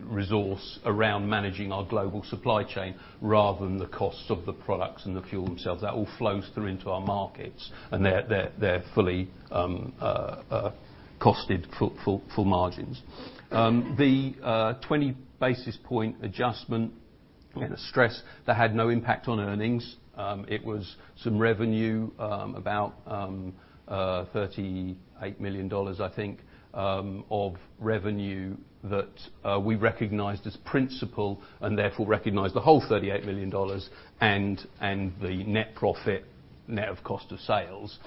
resource around managing our global supply chain rather than the costs of the products and the fuel themselves. That all flows through into our markets and they're fully costed full margins. The 20 basis point adjustment, I kinda stress that had no impact on earnings. It was some revenue, about $38 million, I think, of revenue that we recognized as principal and therefore recognized the whole $38 million and the net profit, net of cost of sales.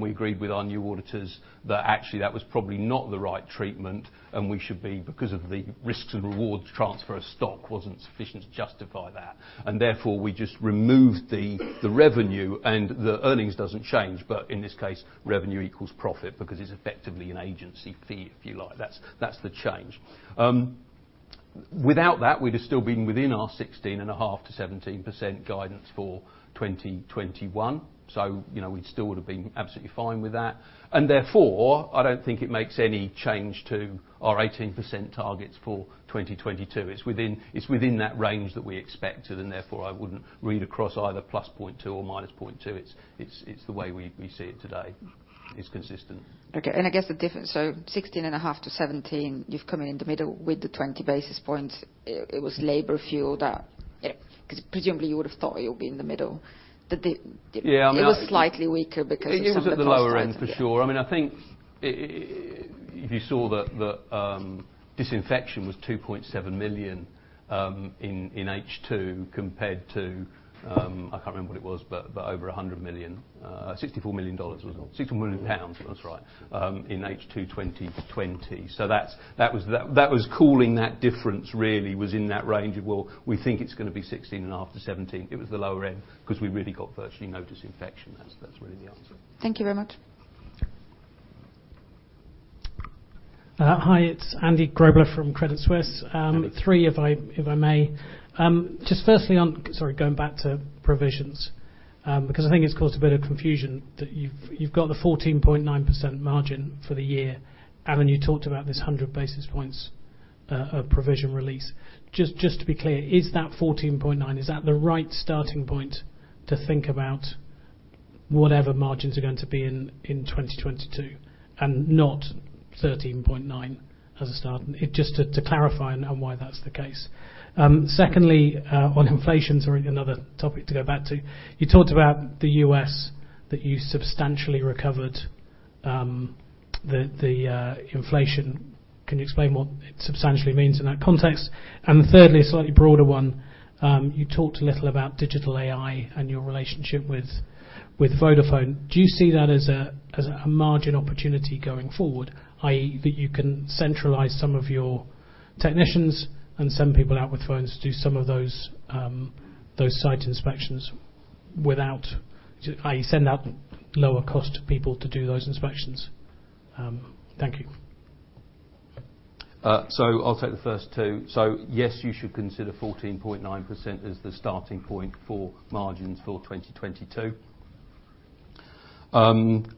We agreed with our new auditors that actually that was probably not the right treatment, and we should be, because of the risks and rewards transfer of stock wasn't sufficient to justify that. Therefore, we just removed the revenue and the earnings doesn't change. In this case, revenue equals profit because it's effectively an agency fee, if you like. That's the change. Without that, we'd have still been within our 16.5%-17% guidance for 2021. You know, we still would have been absolutely fine with that. Therefore, I don't think it makes any change to our 18% targets for 2022. It's within that range that we expected, and therefore I wouldn't read across either +0.2% or -0.2%. It's the way we see it today. It's consistent. Okay. I guess the difference, so 16.5%-17%, you've come in in the middle with the 20 basis points. It was labor fuel that, 'cause presumably you would have thought you'll be in the middle. Yeah, I mean, I think. It was slightly weaker because of some of the costs. It was at the lower end for sure. I mean, I think if you saw that, disinfection was $2.7 million in H2 compared to, I can't remember what it was, but over $100 million, $64 million dollars was- Pounds. GBP 60 million. That's right. In H2 2020, that's what was causing that difference really was in that range of, well, we think it's gonna be 16.5%-17%. It was the lower end 'cause we really got virtually no disinfection. That's really the answer. Thank you very much. Yeah. Hi, it's Andrew Grobler from Credit Suisse. Andy. Three, if I may. Just firstly, going back to provisions, because I think it's caused a bit of confusion that you've got the 14.9% margin for the year, and then you talked about this 100 basis points of provision release. Just to be clear, is that 14.9, is that the right starting point to think about whatever margins are going to be in 2022 and not 13.9 as a start? Just to clarify and why that's the case. Secondly, on inflation, sorry, another topic to go back to. You talked about the U.S., that you substantially recovered the inflation. Can you explain what substantially means in that context? Thirdly, a slightly broader one. You talked a little about digital AI and your relationship with Vodafone. Do you see that as a margin opportunity going forward, i.e., that you can centralize some of your technicians and send people out with phones to do some of those site inspections, i.e., send out lower cost people to do those inspections? Thank you. I'll take the first two. Yes, you should consider 14.9% as the starting point for margins for 2022.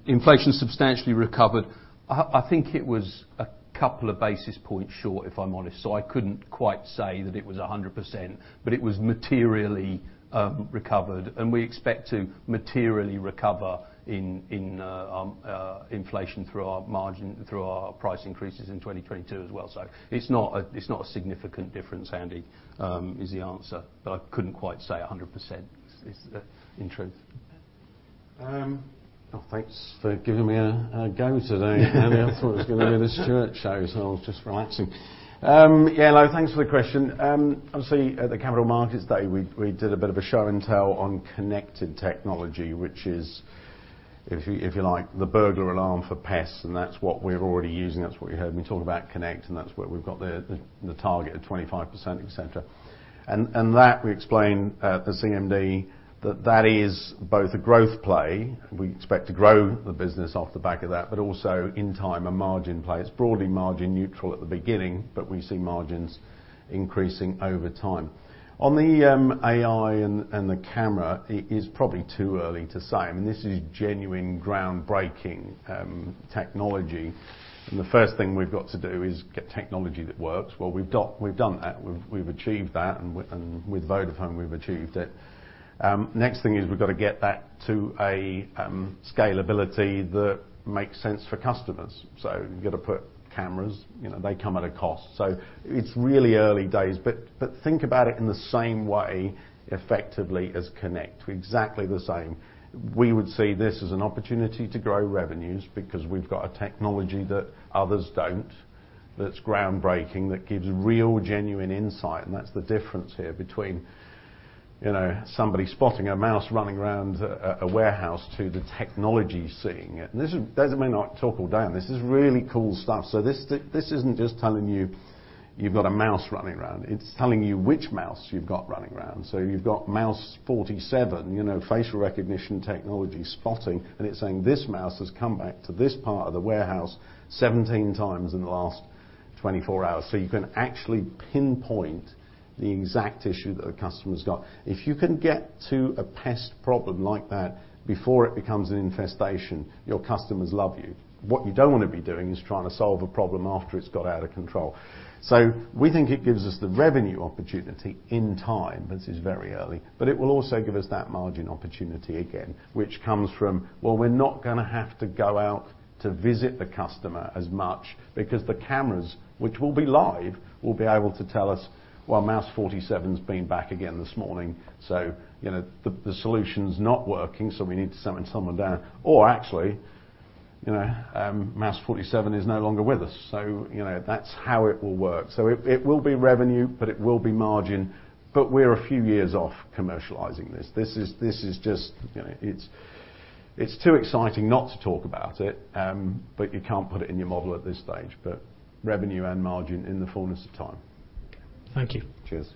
Inflation substantially recovered. I think it was a couple of basis points short, if I'm honest, so I couldn't quite say that it was 100%, but it was materially recovered, and we expect to materially recover inflation through our price increases in 2022 as well. It's not a significant difference, Andy, is the answer, but I couldn't quite say 100% is the, in truth. Okay. Thanks for giving me a go today, Andy. I thought it was gonna be the Stuart Show, so I was just relaxing. Thanks for the question. Obviously at the Capital Markets Day, we did a bit of a show and tell on connected technology, which is If you like the burglar alarm for pests, and that's what we're already using, that's what you heard me talk about Connect, and that's where we've got the target of 25%, etc. That we explained at the CMD that that is both a growth play, we expect to grow the business off the back of that, but also in time, a margin play. It's broadly margin neutral at the beginning, but we see margins increasing over time. On the AI and the camera, it is probably too early to say. I mean, this is genuine groundbreaking technology. The first thing we've got to do is get technology that works. Well, we've done that. We've achieved that, and with Vodafone, we've achieved it. Next thing is we've got to get that to a scalability that makes sense for customers. You got to put cameras they come at a cost. It's really early days, but think about it in the same way, effectively, as Connect. Exactly the same. We would see this as an opportunity to grow revenues because we've got a technology that others don't, that's groundbreaking, that gives real genuine insight, and that's the difference here between, somebody spotting a mouse running around a warehouse to the technology seeing it. This is. Des and me might not talk all day, and this is really cool stuff. This isn't just telling you you've got a mouse running around. It's telling you which mouse you've got running around. You've got mouse 47, facial recognition technology spotting, and it's saying, this mouse has come back to this part of the warehouse 17 times in the last 24 hours. You can actually pinpoint the exact issue that a customer's got. If you can get to a pest problem like that before it becomes an infestation, your customers love you. What you don't wanna be doing is trying to solve a problem after it's got out of control. We think it gives us the revenue opportunity in time, this is very early, but it will also give us that margin opportunity again, which comes from, well, we're not gonna have to go out to visit the customer as much because the cameras, which will be live, will be able to tell us, well, mouse 47's been back again this morning. You know, the solution's not working, so we need to send someone down. Or actually, mouse 47 is no longer with us. You know, that's how it will work. It will be revenue, but it will be margin, but we're a few years off commercializing this. This is just, it's too exciting not to talk about it, but you can't put it in your model at this stage. Revenue and margin in the fullness of time. Thank you. Cheers.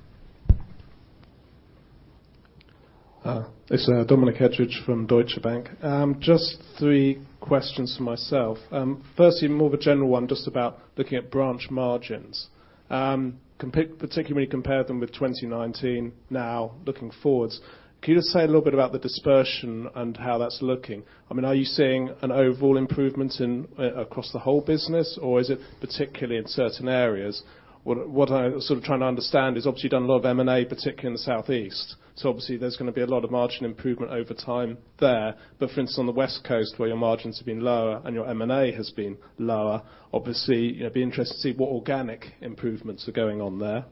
It's Dominic Etheridge from Deutsche Bank. Just three questions from myself. Firstly, more of a general one just about looking at branch margins, particularly compare them with 2019 now looking forwards. Can you just say a little bit about the dispersion and how that's looking? I mean, are you seeing an overall improvement across the whole business, or is it particularly in certain areas? What I'm sort of trying to understand is obviously done a lot of M&A, particularly in the South East. So obviously there's gonna be a lot of margin improvement over time there. But for instance, on the West Coast, where your margins have been lower and your M&A has been lower, obviously, it'd be interesting to see what organic improvements are going on there.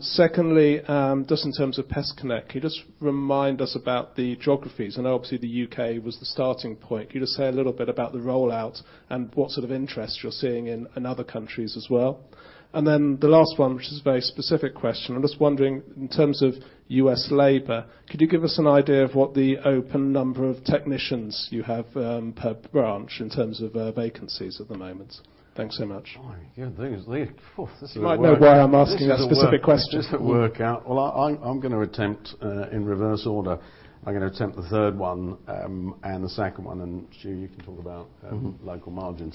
Secondly, just in terms of PestConnect, can you just remind us about the geographies? I know obviously the U.K. was the starting point. Can you just say a little bit about the rollout and what sort of interest you're seeing in other countries as well? The last one, which is a very specific question, I'm just wondering, in terms of U.S. labor, could you give us an idea of what the open number of technicians you have per branch in terms of vacancies at the moment? Thanks so much. Oh, yeah. Things lead. This is work. You might know why I'm asking that specific question. This will work out. Well, I'm gonna attempt in reverse order. I'm gonna attempt the third one and the second one, and Stu, you can talk about local margins.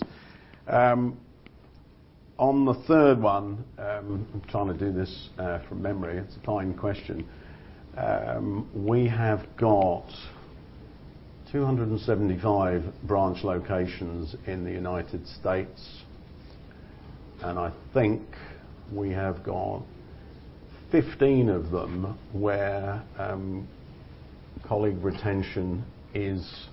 On the third one, I'm trying to do this from memory. It's a timed question. We have got 275 branch locations in the United States, and I think we have got 15 of them where colleague retention is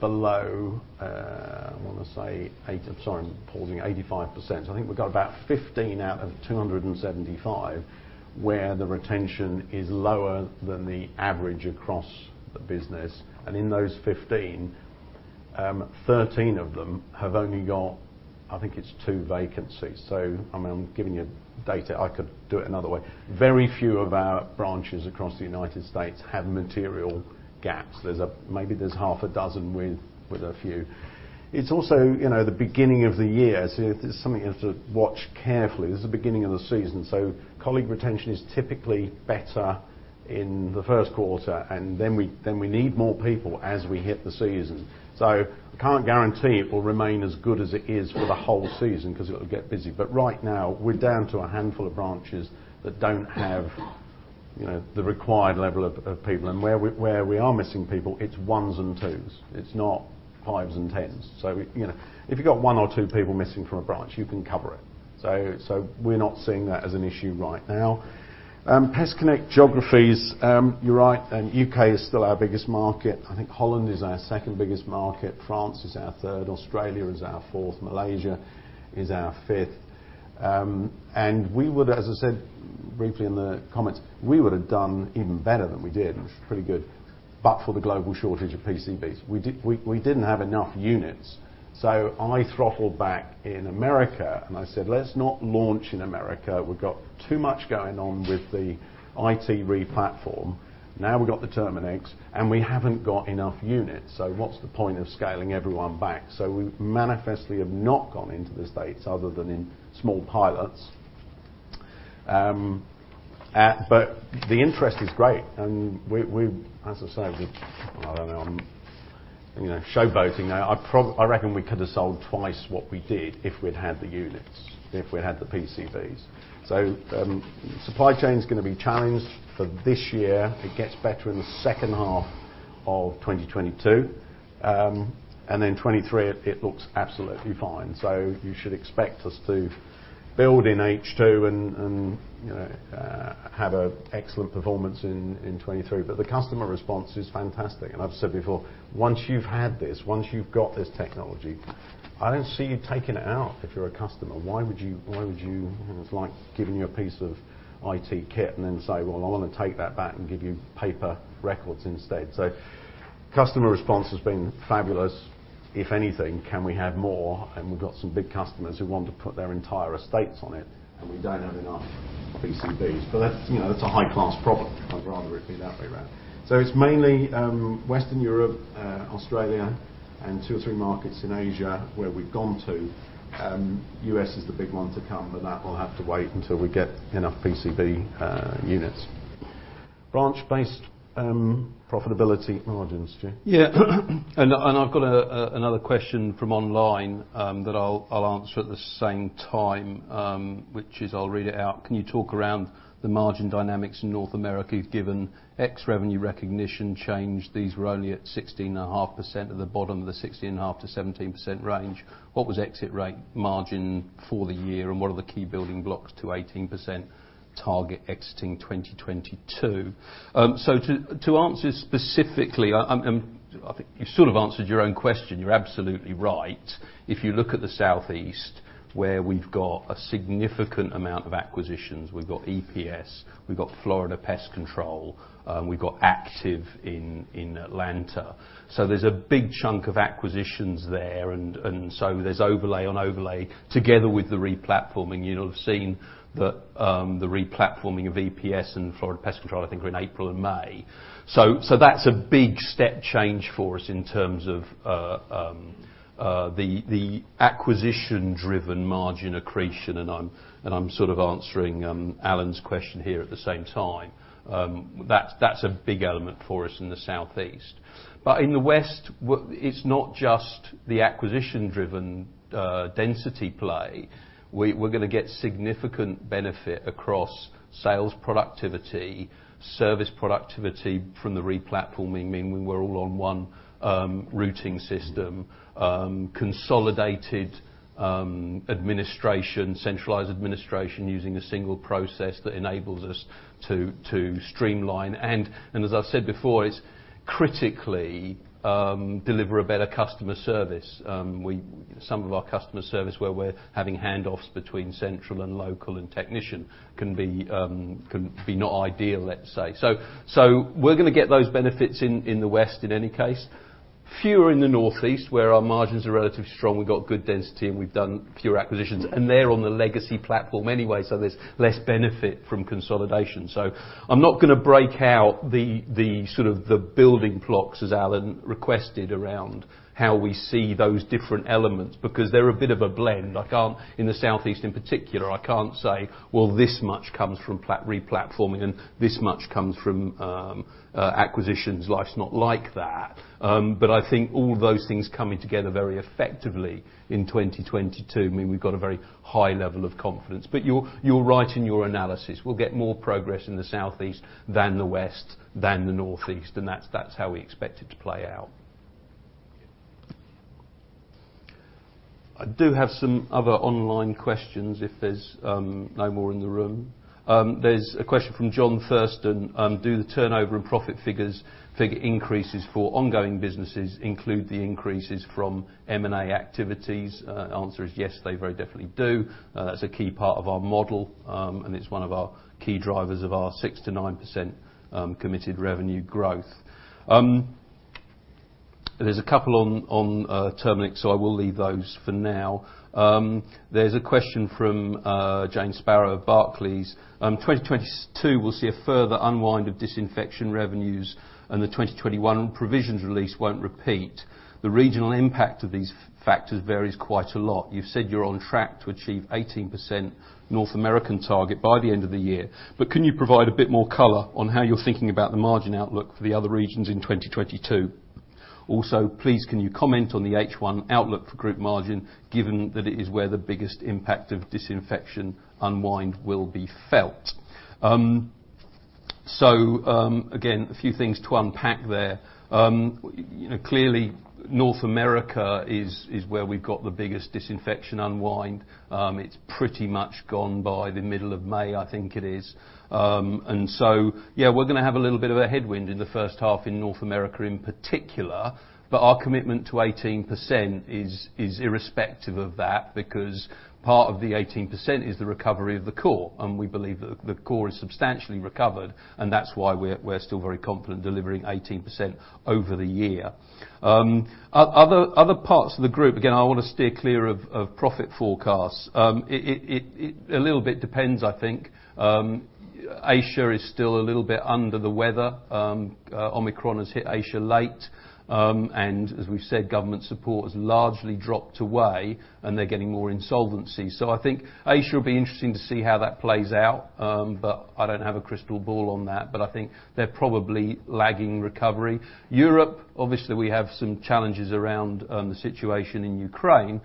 below, I wanna say 85%. I think we've got about 15 out of 275 where the retention is lower than the average across the business. In those 15, 13 of them have only got, I think it's 2 vacancies. I mean, I'm giving you data. I could do it another way. Very few of our branches across the United States have material gaps. Maybe there's half a dozen with a few. It's also the beginning of the year. It's something you have to watch carefully. This is the beginning of the season. Colleague retention is typically better in the Q1 and then we need more people as we hit the season. Can't guarantee it will remain as good as it is for the whole season because it'll get busy. Right now, we're down to a handful of branches that don't have, the required level of people. Where we are missing people, it's ones and twos. It's not fives and tens. You know, if you've got one or two people missing from a branch, you can cover it. We're not seeing that as an issue right now. PestConnect geographies, you're right, and U.K. is still our biggest market. I think Holland is our second biggest market. France is our third. Australia is our fourth. Malaysia is our fifth. As I said briefly in the comments, we would have done even better than we did, and it's pretty good, but for the global shortage of PCBs. We didn't have enough units. I throttled back in America, and I said, "Let's not launch in America. We've got too much going on with the IT replatform. Now we've got the Terminix, and we haven't got enough units. So what's the point of scaling everyone back?" We manifestly have not gone into the States other than in small pilots, but the interest is great. As I say, I don't know, I'm you know, showboating now. I reckon we could have sold twice what we did if we'd had the units, if we'd had the PCBs. Supply chain is gonna be challenged for this year. It gets better in the second half of 2022. And then 2023, it looks absolutely fine. You should expect us to build in H2 and have an excellent performance in 2023. The customer response is fantastic. I've said before, once you've had this, once you've got this technology, I don't see you taking it out if you're a customer. Why would it's like giving you a piece of IT kit and then say, "Well, I wanna take that back and give you paper records instead." Customer response has been fabulous. If anything, can we have more? We've got some big customers who want to put their entire estates on it, and we don't have enough PCBs. That's, you know, a high-class problem. I'd rather it be that way around. It's mainly Western Europe, Australia, and two or three markets in Asia where we've gone to. U.S. is the big one to come, but that will have to wait until we get enough PCB units. Branch-based profitability margins, Jim. Yeah. I've got another question from online that I'll answer at the same time, which is I'll read it out. Can you talk around the margin dynamics in North America given ex-revenue recognition change? These were only at 16.5% at the bottom of the 16.5%-17% range. What was exit rate margin for the year, and what are the key building blocks to 18% target exiting 2022? To answer specifically, I'm—I think you sort of answered your own question. You're absolutely right. If you look at the Southeast, where we've got a significant amount of acquisitions, we've got EPS, we've got Florida Pest Control, we've got Active in Atlanta. There's a big chunk of acquisitions there and so there's overlay on overlay together with the replatforming. You'll have seen the replatforming of EPS and Florida Pest Control, I think, in April and May. That's a big step change for us in terms of the acquisition-driven margin accretion, and I'm sort of answering Allen's question here at the same time. That's a big element for us in the Southeast. In the West, it's not just the acquisition-driven density play. We're gonna get significant benefit across sales productivity, service productivity from the replatforming, meaning we're all on one routing system, consolidated administration, centralized administration using a single process that enables us to streamline. As I said before, it's critical to deliver a better customer service. Some of our customer service where we're having handoffs between central and local and technician can be not ideal, let's say. We're gonna get those benefits in the West in any case. Fewer in the Northeast, where our margins are relatively strong, we've got good density, and we've done fewer acquisitions. They're on the legacy platform anyway, so there's less benefit from consolidation. I'm not gonna break out the sort of the building blocks, as Alan requested, around how we see those different elements because they're a bit of a blend. In the Southeast in particular, I can't say, "Well, this much comes from replatforming, and this much comes from acquisitions." Life's not like that. I think all those things coming together very effectively in 2022 mean we've got a very high level of confidence. You're right in your analysis. We'll get more progress in the Southeast than the West than the Northeast, and that's how we expect it to play out. I do have some other online questions if there's no more in the room. There's a question from John Thurston. Do the turnover and profit figure increases for ongoing businesses include the increases from M&A activities? Answer is yes, they very definitely do. That's a key part of our model, and it's one of our key drivers of our 6%-9% committed revenue growth. There's a couple on Terminix, so I will leave those for now. There's a question from Jane Sparrow of Barclays. 2022, we'll see a further unwind of disinfection revenues, and the 2021 provisions release won't repeat. The regional impact of these factors varies quite a lot. You've said you're on track to achieve 18% North American target by the end of the year. Can you provide a bit more color on how you're thinking about the margin outlook for the other regions in 2022? Also, please, can you comment on the H1 outlook for group margin, given that it is where the biggest impact of disinfection unwind will be felt? Again, a few things to unpack there. You know, clearly North America is where we've got the biggest disinfection unwind. It's pretty much gone by the middle of May, I think it is. Yeah, we're gonna have a little bit of a headwind in the first half in North America in particular, but our commitment to 18% is irrespective of that because part of the 18% is the recovery of the core, and we believe that the core is substantially recovered, and that's why we're still very confident delivering 18% over the year. Other parts of the group, again, I wanna steer clear of profit forecasts. It depends a little bit, I think. Asia is still a little bit under the weather. Omicron has hit Asia late. As we've said, government support has largely dropped away, and they're getting more insolvencies. I think Asia will be interesting to see how that plays out, but I don't have a crystal ball on that. I think they're probably lagging recovery. Europe, obviously we have some challenges around the situation in Ukraine.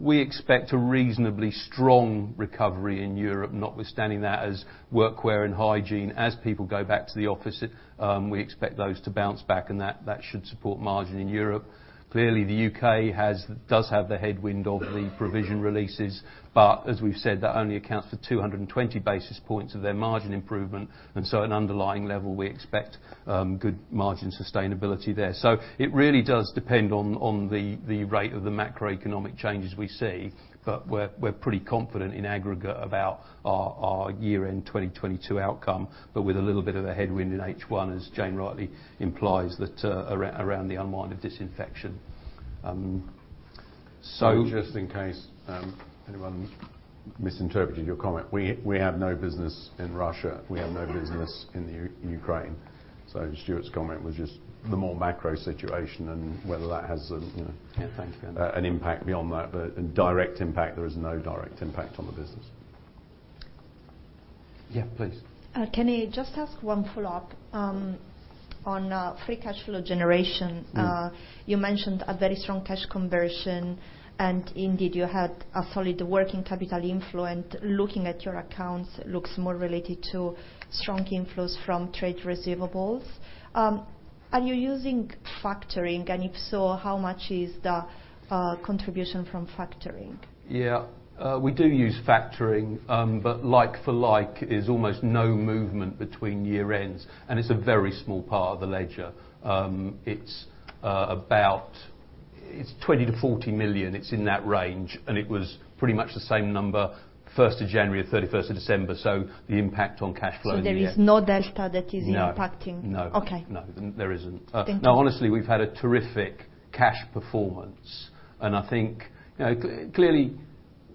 We expect a reasonably strong recovery in Europe, notwithstanding that as Workwear and Hygiene, as people go back to the office, we expect those to bounce back, and that should support margin in Europe. Clearly, the U.K. does have the headwind of the provision releases. As we've said, that only accounts for 220 basis points of their margin improvement, and so at an underlying level, we expect good margin sustainability there. It really does depend on the rate of the macroeconomic changes we see. We're pretty confident in aggregate about our year-end 2022 outcome, but with a little bit of a headwind in H1, as Jane rightly implies that around the unwind of disinfection. Just in case anyone misinterpreted your comment, we have no business in Russia. We have no business in the Ukraine. Stuart's comment was just the more macro situation and whether that has a you know- Yeah. Thanks, Andy. an impact beyond that. In direct impact, there is no direct impact on the business. Yeah, please. Can I just ask one follow-up on free cash flow generation? Mm-hmm. You mentioned a very strong cash conversion, and indeed you had a solid working capital inflow. Looking at your accounts, it looks more related to strong inflows from trade receivables. Are you using factoring? If so, how much is the contribution from factoring? Yeah. We do use factoring. But like-for-like is almost no movement between year ends, and it's a very small part of the ledger. It's about 20 million-40 million. It's in that range. It was pretty much the same number, first of January to thirty-first of December. The impact on cash flow There is no delta that is impacting. No. Okay. No. There isn't. Thank you. No, honestly, we've had a terrific cash performance. I think, clearly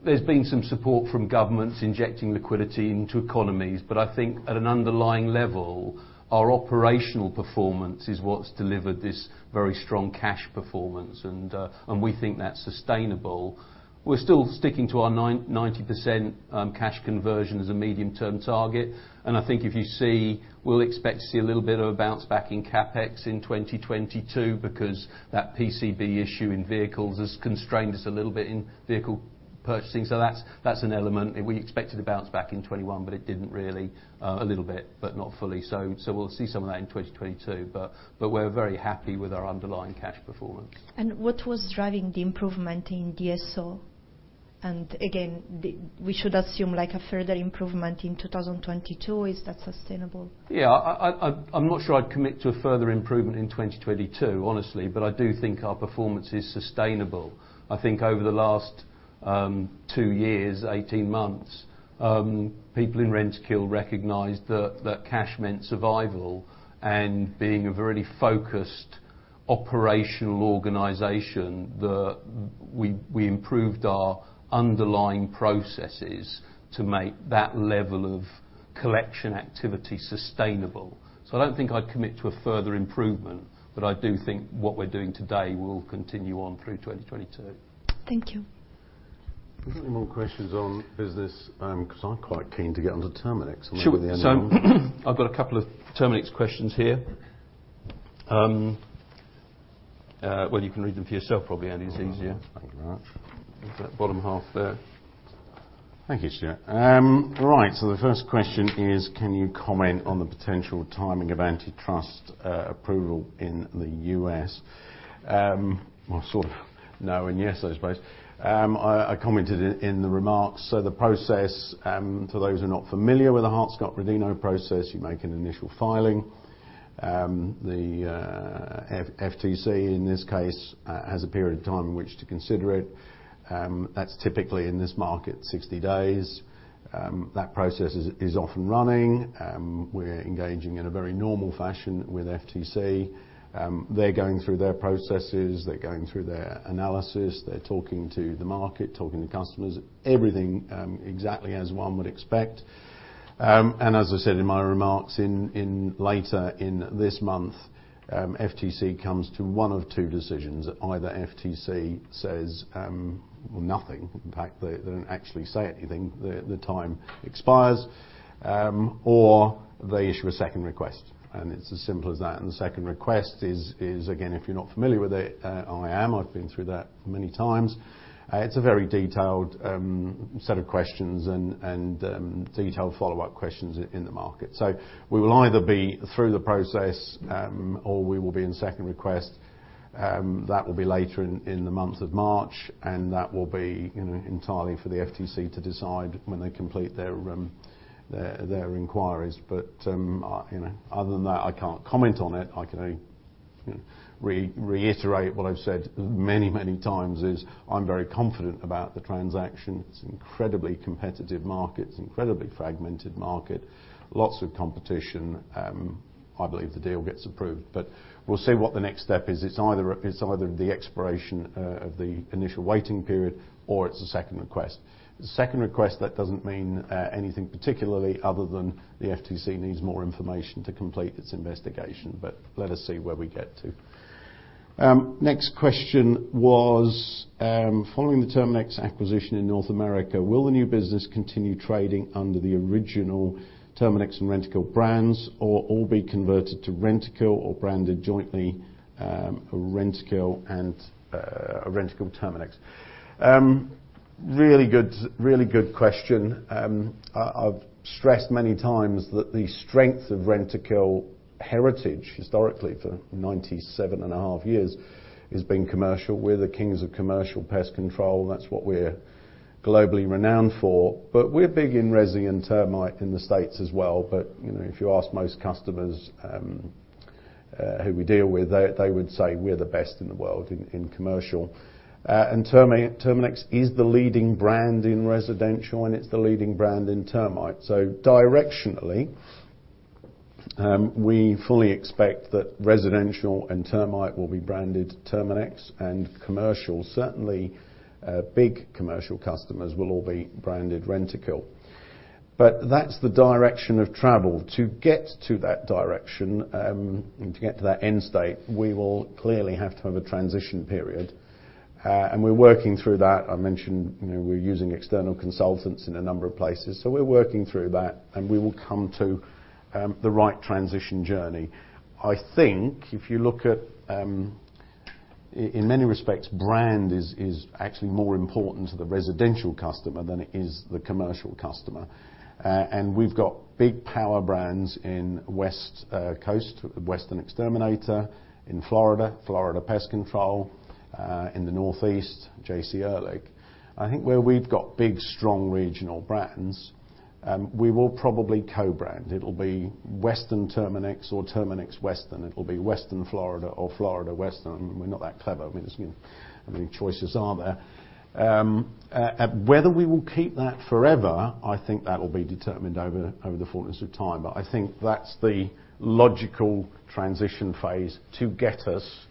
there's been some support from governments injecting liquidity into economies. I think at an underlying level, our operational performance is what's delivered this very strong cash performance, and we think that's sustainable. We're still sticking to our 90% cash conversion as a medium-term target. I think if you see, we'll expect to see a little bit of a bounce back in CapEx in 2022 because that PCB issue in vehicles has constrained us a little bit in vehicle purchasing. That's an element. We expected a bounce back in 2021, but it didn't really, a little bit, but not fully. We'll see some of that in 2022. We're very happy with our underlying cash performance. What was driving the improvement in DSO? Again, we should assume like a further improvement in 2022. Is that sustainable? Yeah. I'm not sure I'd commit to a further improvement in 2022, honestly. I do think our performance is sustainable. I think over the last two years, 18 months, people in Rentokil recognized that cash meant survival. Being a very focused operational organization, we improved our underlying processes to make that level of collection activity sustainable. I don't think I'd commit to a further improvement, but I do think what we're doing today will continue on through 2022. Thank you. Have we got any more questions on business? 'cause I'm quite keen to get on to Terminix and then Sure. I've got a couple of Terminix questions here. Well you can read them for yourself probably, Andy. It's easier. Thank you very much. There's that bottom half there. Thank you, Stuart. Right. The first question is, can you comment on the potential timing of antitrust approval in the U.S.? Well, sort of no and yes, I suppose. I commented in the remarks. The process for those who are not familiar with the Hart-Scott-Rodino process, you make an initial filing. The FTC in this case has a period of time in which to consider it. That's typically in this market 60 days. That process is off and running. We're engaging in a very normal fashion with FTC. They're going through their processes. They're going through their analysis. They're talking to the market, talking to customers. Everything exactly as one would expect. As I said in my remarks, later in this month, FTC comes to one of two decisions. Either FTC says nothing. In fact, they don't actually say anything. The time expires. They issue a second request, and it's as simple as that. The second request is again, if you're not familiar with it, I am. I've been through that many times. It's a very detailed set of questions and detailed follow-up questions in the market. We will either be through the process or we will be in second request. That will be later in the month of March, and that will be, entirely for the FTC to decide when they complete their inquiries. You know, other than that, I can't comment on it. I can only, reiterate what I've said many times is I'm very confident about the transaction. It's incredibly competitive markets, incredibly fragmented market, lots of competition. I believe the deal gets approved, but we'll see what the next step is. It's either the expiration of the initial waiting period or it's a second request. The second request, that doesn't mean anything particularly other than the FTC needs more information to complete its investigation. Let us see where we get to. Next question was, following the Terminix acquisition in North America, will the new business continue trading under the original Terminix and Rentokil brands or all be converted to Rentokil or branded jointly, Rentokil and Rentokil-Terminix? Really good question. I've stressed many times that the strength of Rentokil heritage historically for 97.5 years has been commercial. We're the kings of commercial pest control. That's what we're globally renowned for. We're big in resi and termite in the States as well. You know, if you ask most customers, who we deal with, they would say we're the best in the world in commercial. Terminix is the leading brand in residential, and it's the leading brand in termites. Directionally, we fully expect that residential and termite will be branded Terminix and commercial. Certainly, big commercial customers will all be branded Rentokil. That's the direction of travel. To get to that direction, to get to that end state, we will clearly have to have a transition period. We're working through that I mentioned, we're using external consultants in a number of places. We're working through that, and we will come to the right transition journey. I think if you look at, in many respects, brand is actually more important to the residential customer than it is the commercial customer. We've got big power brands in West Coast, Western Exterminator, in Florida Pest Control, in the Northeast, J.C. Ehrlich. I think where we've got big, strong regional brands, we will probably co-brand. It'll be Western Terminix or Terminix Western. It'll be Florida Terminix or Terminix Florida. We're not that clever. I mean, there's not many choices, are there? Whether we will keep that forever, I think that'll be determined over the fullness of time. I think that's the logical transition phase to get us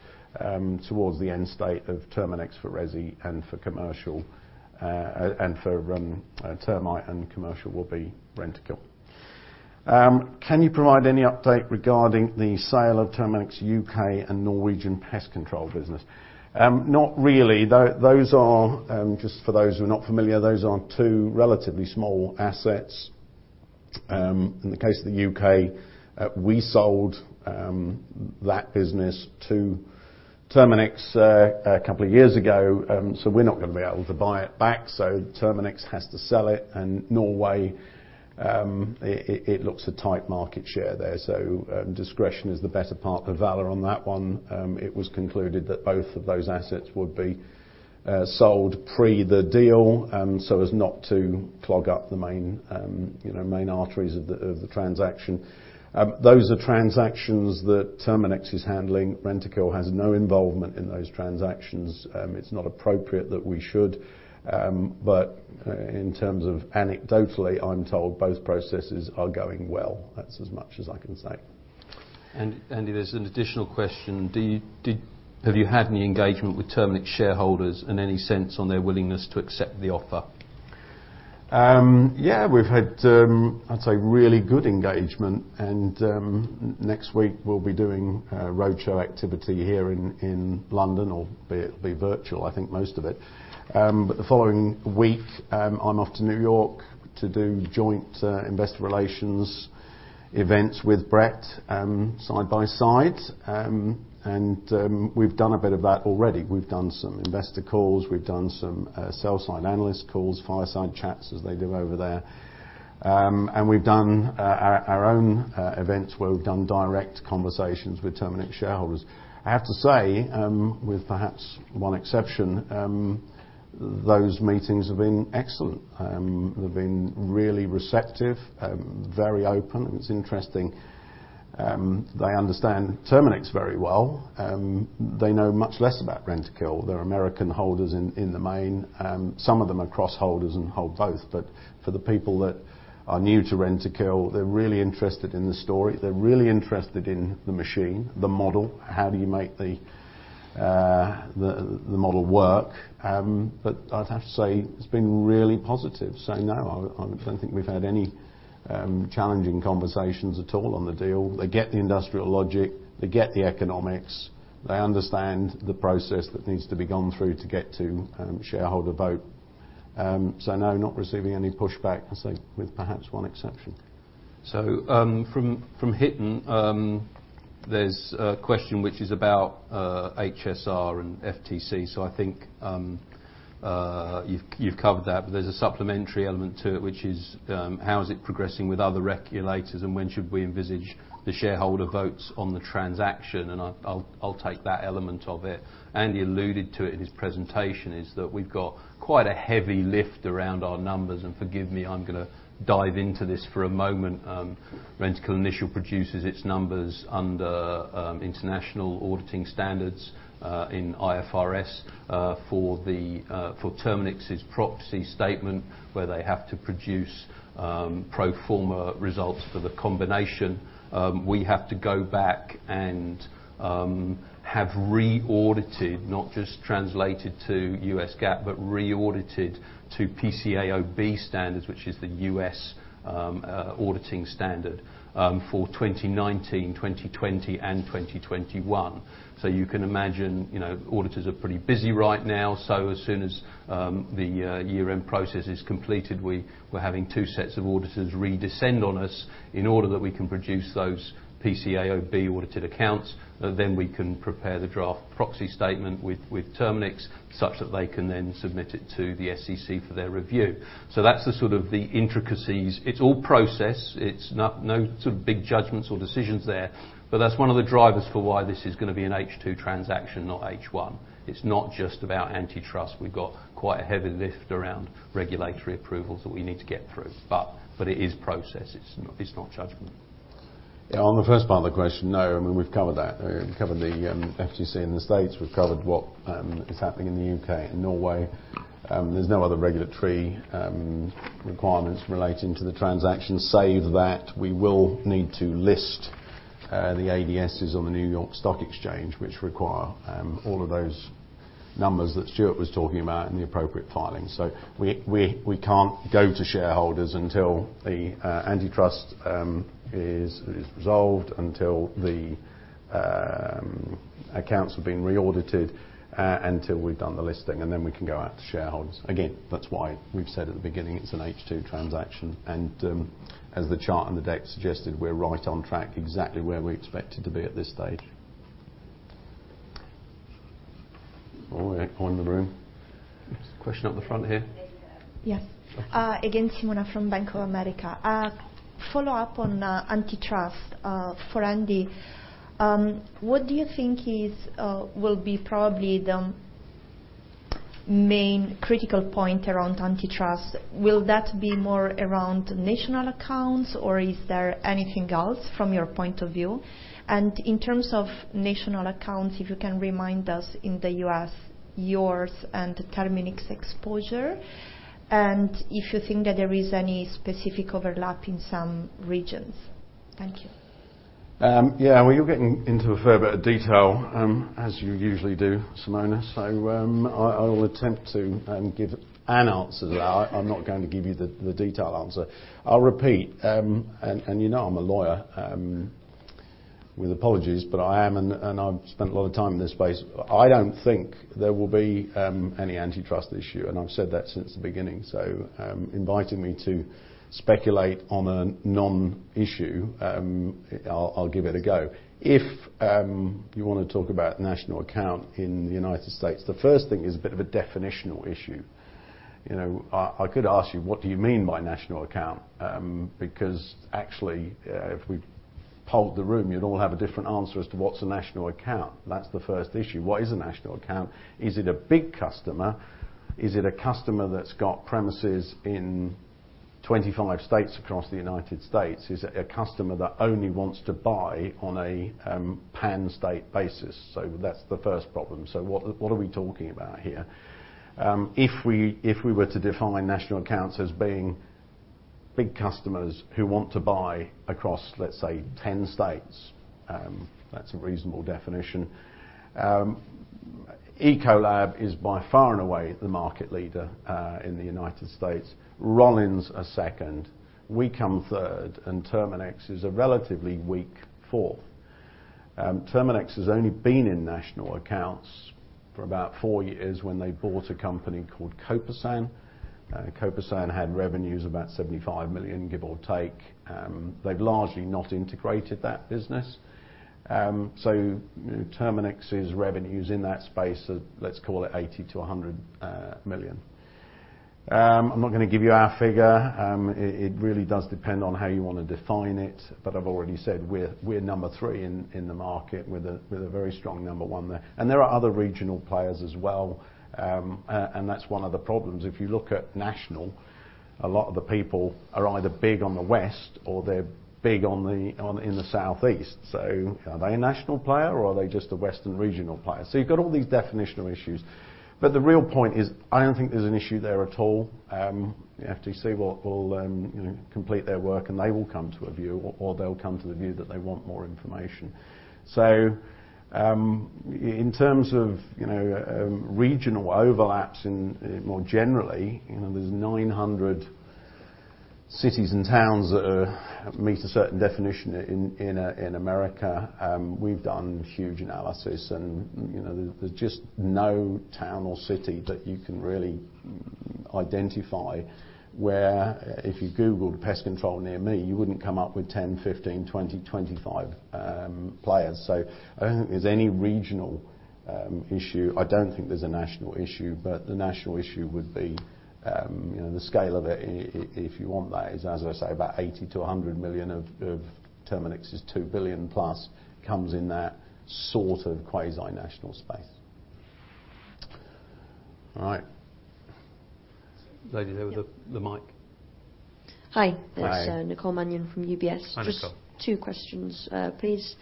towards the end state of Terminix for resi and for commercial, and for termite and commercial will be Rentokil. Can you provide any update regarding the sale of Terminix U.K. and Norwegian Pest Control business? Not really. Those are just for those who are not familiar, those are two relatively small assets. In the case of the U.K., we sold that business to Terminix a couple of years ago. We're not gonna be able to buy it back. Terminix has to sell it. Norway, it looks like a tight market share there. Discretion is the better part of valor on that one. It was concluded that both of those assets would be sold pre the deal, so as not to clog up the mainmain arteries of the transaction. Those are transactions that Terminix is handling. Rentokil has no involvement in those transactions. It's not appropriate that we should. In terms of anecdotally, I'm told both processes are going well. That's as much as I can say. There's an additional question. Have you had any engagement with Terminix shareholders and any sense on their willingness to accept the offer? Yeah, we've had, I'd say really good engagement, and next week we'll be doing a roadshow activity here in London, or it'll be virtual, I think most of it. The following week, I'm off to New York to do joint investor relations events with Bradley Paulsen, side by side. We've done a bit of that already. We've done some investor calls, we've done some sell-side analyst calls, fireside chats as they do over there. We've done our own events where we've done direct conversations with Terminix shareholders. I have to say, with perhaps one exception, those meetings have been excellent. They've been really receptive, very open, and it's interesting. They understand Terminix very well. They know much less about Rentokil. They're American holders in the main. Some of them are cross-holders and hold both. For the people that are new to Rentokil, they're really interested in the story. They're really interested in the machine, the model, how do you make the model work. I'd have to say it's been really positive. No, I don't think we've had any challenging conversations at all on the deal. They get the industrial logic, they get the economics, they understand the process that needs to be gone through to get to shareholder vote. No, not receiving any pushback, I say, with perhaps one exception. From Hiten, there's a question which is about HSR and FTC. I think you've covered that. There's a supplementary element to it, which is how is it progressing with other regulators, and when should we envisage the shareholder votes on the transaction? I'll take that element of it. Andy alluded to it in his presentation, that is we've got quite a heavy lift around our numbers. Forgive me, I'm gonna dive into this for a moment. Rentokil Initial produces its numbers under international auditing standards in IFRS. For Terminix's proxy statement, where they have to produce pro forma results for the combination, we have to go back and have re-audited, not just translated to U.S. GAAP, but re-audited to PCAOB standards, which is the U.S. auditing standard for 2019, 2020 and 2021. You can imagine, auditors are pretty busy right now. As soon as the year-end process is completed, we're having two sets of auditors re-descend on us in order that we can produce those PCAOB-audited accounts. We can prepare the draft proxy statement with Terminix such that they can then submit it to the SEC for their review. That's the sort of the intricacies. It's all process. It's not, no sort of big judgments or decisions there. That's one of the drivers for why this is gonna be an H2 transaction, not H1. It's not just about antitrust. We've got quite a heavy lift around regulatory approvals that we need to get through. It is processes. It's not judgment. Yeah. On the first part of the question, no, I mean, we've covered that. We've covered the FTC in the States. We've covered what is happening in the U.K. and Norway. There's no other regulatory requirements relating to the transaction, save that we will need to list the ADSs on the New York Stock Exchange, which require all of those numbers that Stuart was talking about in the appropriate filings. So we can't go to shareholders until the antitrust is resolved, until the accounts have been re-audited, and till we've done the listing, and then we can go out to shareholders. Again, that's why we've said at the beginning it's an H2 transaction. As the chart on the deck suggested, we're right on track, exactly where we expected to be at this stage. All the way around the room. There's a question up the front here. Yes. Again, Simona from Bank of America. Follow up on antitrust for Andy. What do you think will be probably the main critical point around antitrust? Will that be more around national accounts, or is there anything else from your point of view? In terms of national accounts, if you can remind us in the U.S. yours and Terminix exposure, and if you think that there is any specific overlap in some regions. Thank you. Yeah. Well, you're getting into a fair bit of detail, as you usually do, Simona. I'll attempt to give an answer to that. I'm not going to give you the detailed answer. I'll repeat. You know I'm a lawyer, with apologies, but I am, and I've spent a lot of time in this space. I don't think there will be any antitrust issue, and I've said that since the beginning. Inviting me to speculate on a non-issue, I'll give it a go. If you wanna talk about national account in the United States, the first thing is a bit of a definitional issue. You know, I could ask you, what do you mean by national account? Because actually, if we polled the room, you'd all have a different answer as to what's a national account. That's the first issue. What is a national account? Is it a big customer? Is it a customer that's got premises in 25 states across the U.S.? Is it a customer that only wants to buy on a pan-state basis? That's the first problem. What are we talking about here? If we were to define national accounts as being big customers who want to buy across, let's say, 10 states, that's a reasonable definition. Ecolab is by far and away the market leader in the U.S. Rollins are second, we come third, and Terminix is a relatively weak fourth. Terminix has only been in national accounts for about four years when they bought a company called Copesan. Copesan had revenues about $75 million, give or take. They've largely not integrated that business. So Terminix's revenues in that space are, let's call it $80 million-$100 million. I'm not gonna give you our figure. It really does depend on how you wanna define it. I've already said we're number three in the market with a very strong number one there. There are other regional players as well, and that's one of the problems. If you look at national, a lot of the people are either big on the West or they're big in the Southeast. So are they a national player or are they just a Western regional player? You've got all these definitional issues. The real point is, I don't think there's an issue there at all. The FTC will, complete their work, and they will come to a view, or they'll come to the view that they want more information. In terms of, regional overlaps in, more generally, there's 900 cities and towns that meet a certain definition in America, we've done huge analysis and, there's just no town or city that you can really identify where if you googled pest control near me, you wouldn't come up with 10, 15, 20, 25 players. I don't think there's any regional issue. I don't think there's a national issue, but the national issue would be, the scale of it if you want that is, as I say, about $80 million-$100 million of Terminix's $2 billion plus comes in that sort of quasi-national space. All right. Lady there with the mic. Hi. Hi. It's Nicole Manion from UBS. Hi, Nicole. Just two questions, please.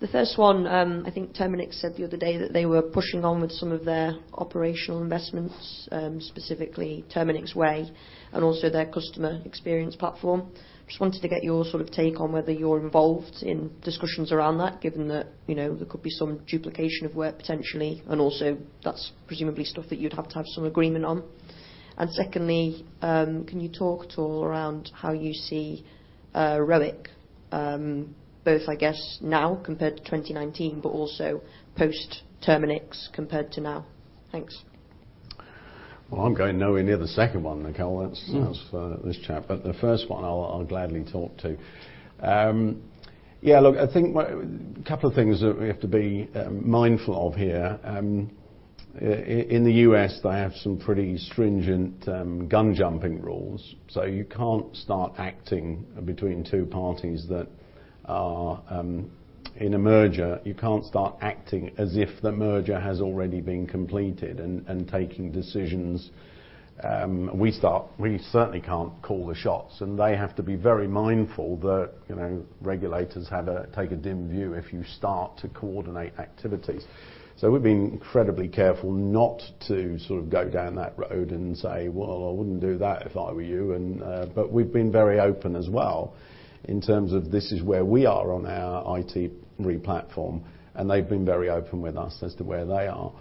The first one, I think Terminix said the other day that they were pushing on with some of their operational investments, specifically Terminix Way and also their customer experience platform. Just wanted to get your sort of take on whether you're involved in discussions around that, given that, you know, there could be some duplication of work potentially, and also that's presumably stuff that you'd have to have some agreement on. Secondly, can you talk at all around how you see ROIC, both I guess now compared to 2019, but also post-Terminix compared to now? Thanks. Well, I'm going nowhere near the second one, Nicole. That's for this chap. The first one I'll gladly talk to. I think couple of things that we have to be mindful of here. In the U.S., they have some pretty stringent gun jumping rules. You can't start acting between two parties that are in a merger. You can't start acting as if the merger has already been completed and taking decisions. We certainly can't call the shots, and they have to be very mindful that, regulators take a dim view if you start to coordinate activities. We've been incredibly careful not to sort of go down that road and say, "Well, I wouldn't do that if I were you." We've been very open as well in terms of this is where we are on our IT replatform, and they've been very open with us as to where they are.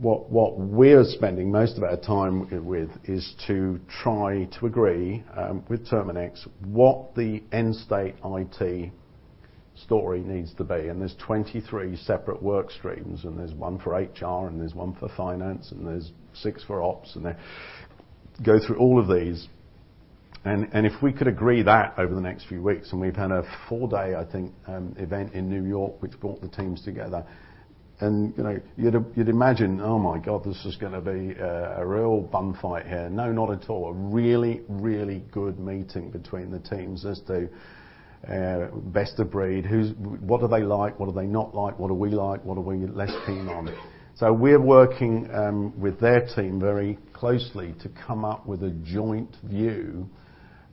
What we're spending most of our time with is to try to agree with Terminix what the end state IT story needs to be. There's 23 separate work streams, and there's 1 for HR, and there's 1 for finance, and there's 6 for ops, and they go through all of these. If we could agree that over the next few weeks, and we've had a 4-day, I think, event in New York which brought the teams together. You know, you'd imagine, oh, my God, this is gonna be a real bum fight here. No, not at all. A really good meeting between the teams as to best of breed, who's what are they like? What are they not like? What are we like? What are we less keen on? We're working with their team very closely to come up with a joint view,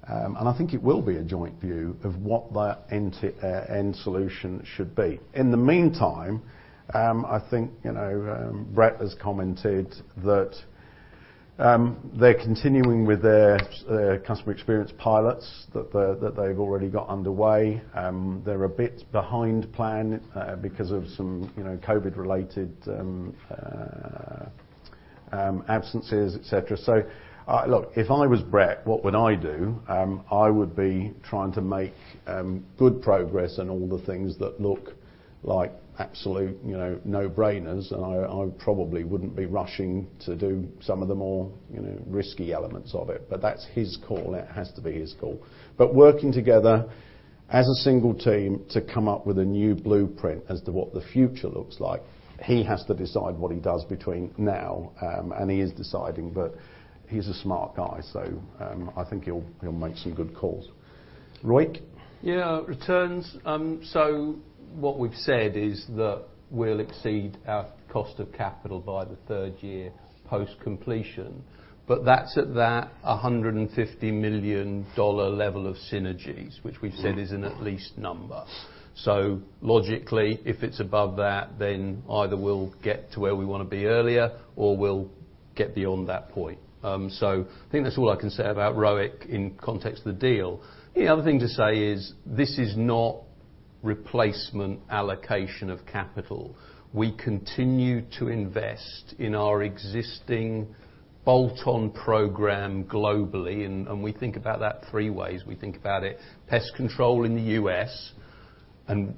and I think it will be a joint view of what that end-to-end solution should be. In the meantime, I think, Brett has commented that they're continuing with their customer experience pilots that they've already got underway. They're a bit behind plan because of some, COVID-related absences, et cetera. Look, if I was Brett, what would I do? I would be trying to make good progress in all the things that look like absolute, no-brainers, and I probably wouldn't be rushing to do some of the more, risky elements of it. That's his call. It has to be his call. Working together as a single team to come up with a new blueprint as to what the future looks like, he has to decide what he does between now and he is deciding, but he's a smart guy, so I think he'll make some good calls. ROIC? Yeah. Returns. What we've said is that we'll exceed our cost of capital by the third year post-completion. That's at that $150 million dollar level of synergies, which we've said is an at least number. Logically, if it's above that, then either we'll get to where we wanna be earlier, or we'll get beyond that point. I think that's all I can say about ROIC in context of the deal. The other thing to say is this is not replacement allocation of capital. We continue to invest in our existing bolt-on program globally, and we think about that three ways. We think about it pest control in the U.S., and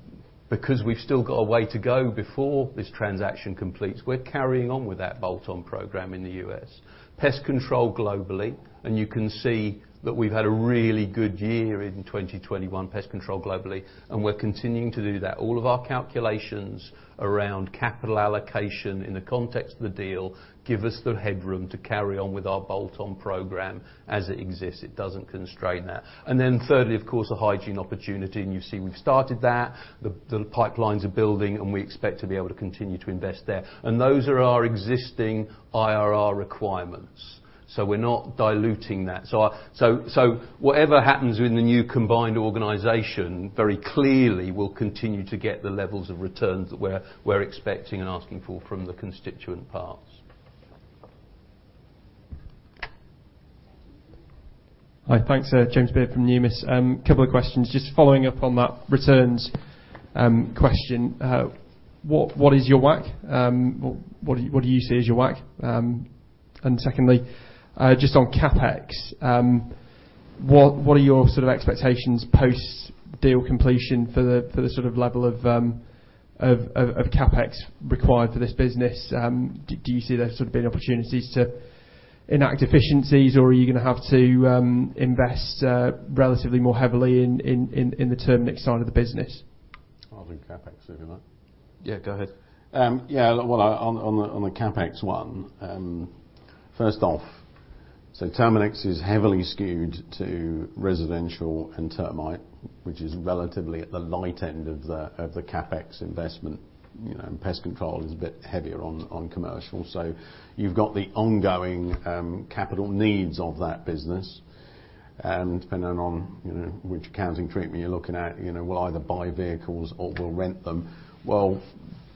because we've still got a way to go before this transaction completes, we're carrying on with that bolt-on program in the U.S. Pest Control globally, and you can see that we've had a really good year in 2021 Pest Control globally, and we're continuing to do that. All of our calculations around capital allocation in the context of the deal give us the headroom to carry on with our bolt-on program as it exists. It doesn't constrain that. Then thirdly, of course, the Hygiene opportunity, and you see we've started that. The pipelines are building, and we expect to be able to continue to invest there. Those are our existing IRR requirements. We're not diluting that. So whatever happens within the new combined organization, very clearly we'll continue to get the levels of returns that we're expecting and asking for from the constituent parts. Hi. Thanks. James Beard from Numis. Couple of questions. Just following up on that returns question. What is your WACC? What do you see as your WACC? Secondly, just on CapEx, what are your sort of expectations post-deal completion for the sort of level of CapEx required for this business? Do you see there sort of being opportunities to enact efficiencies, or are you gonna have to invest relatively more heavily in the Terminix side of the business? I'll do CapEx if you like. Yeah, go ahead. Yeah. Well, on the CapEx one, first off, Terminix is heavily skewed to residential and termite, which is relatively at the light end of the CapEx investment. You know, pest control is a bit heavier on commercial. You've got the ongoing capital needs of that business. Depending on, which accounting treatment you're looking at, we'll either buy vehicles or we'll rent them. Well,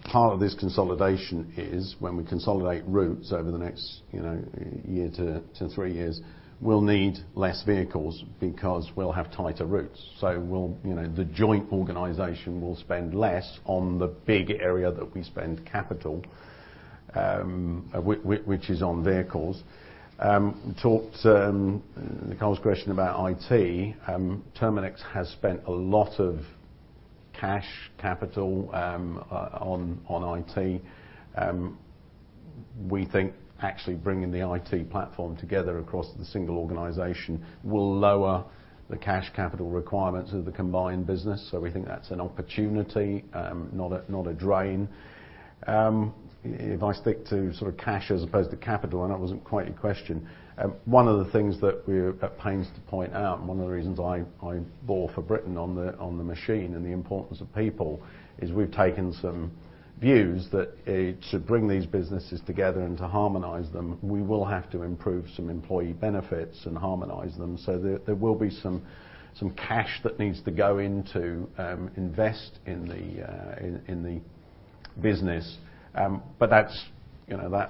part of this consolidation is when we consolidate routes over the next, year to three years, we'll need less vehicles because we'll have tighter routes. You know, the joint organization will spend less on the big area that we spend capital, which is on vehicles. Talked to Nicole's question about IT. Terminix has spent a lot of cash capital on IT. We think actually bringing the IT platform together across the single organization will lower the cash capital requirements of the combined business. We think that's an opportunity, not a drain. If I stick to sort of cash as opposed to capital, I know that wasn't quite your question. One of the things that we're at pains to point out, and one of the reasons I bore for Britain on the machine and the importance of people, is we've taken some views that to bring these businesses together and to harmonize them, we will have to improve some employee benefits and harmonize them. There will be some cash that needs to go into investing in the business. That's,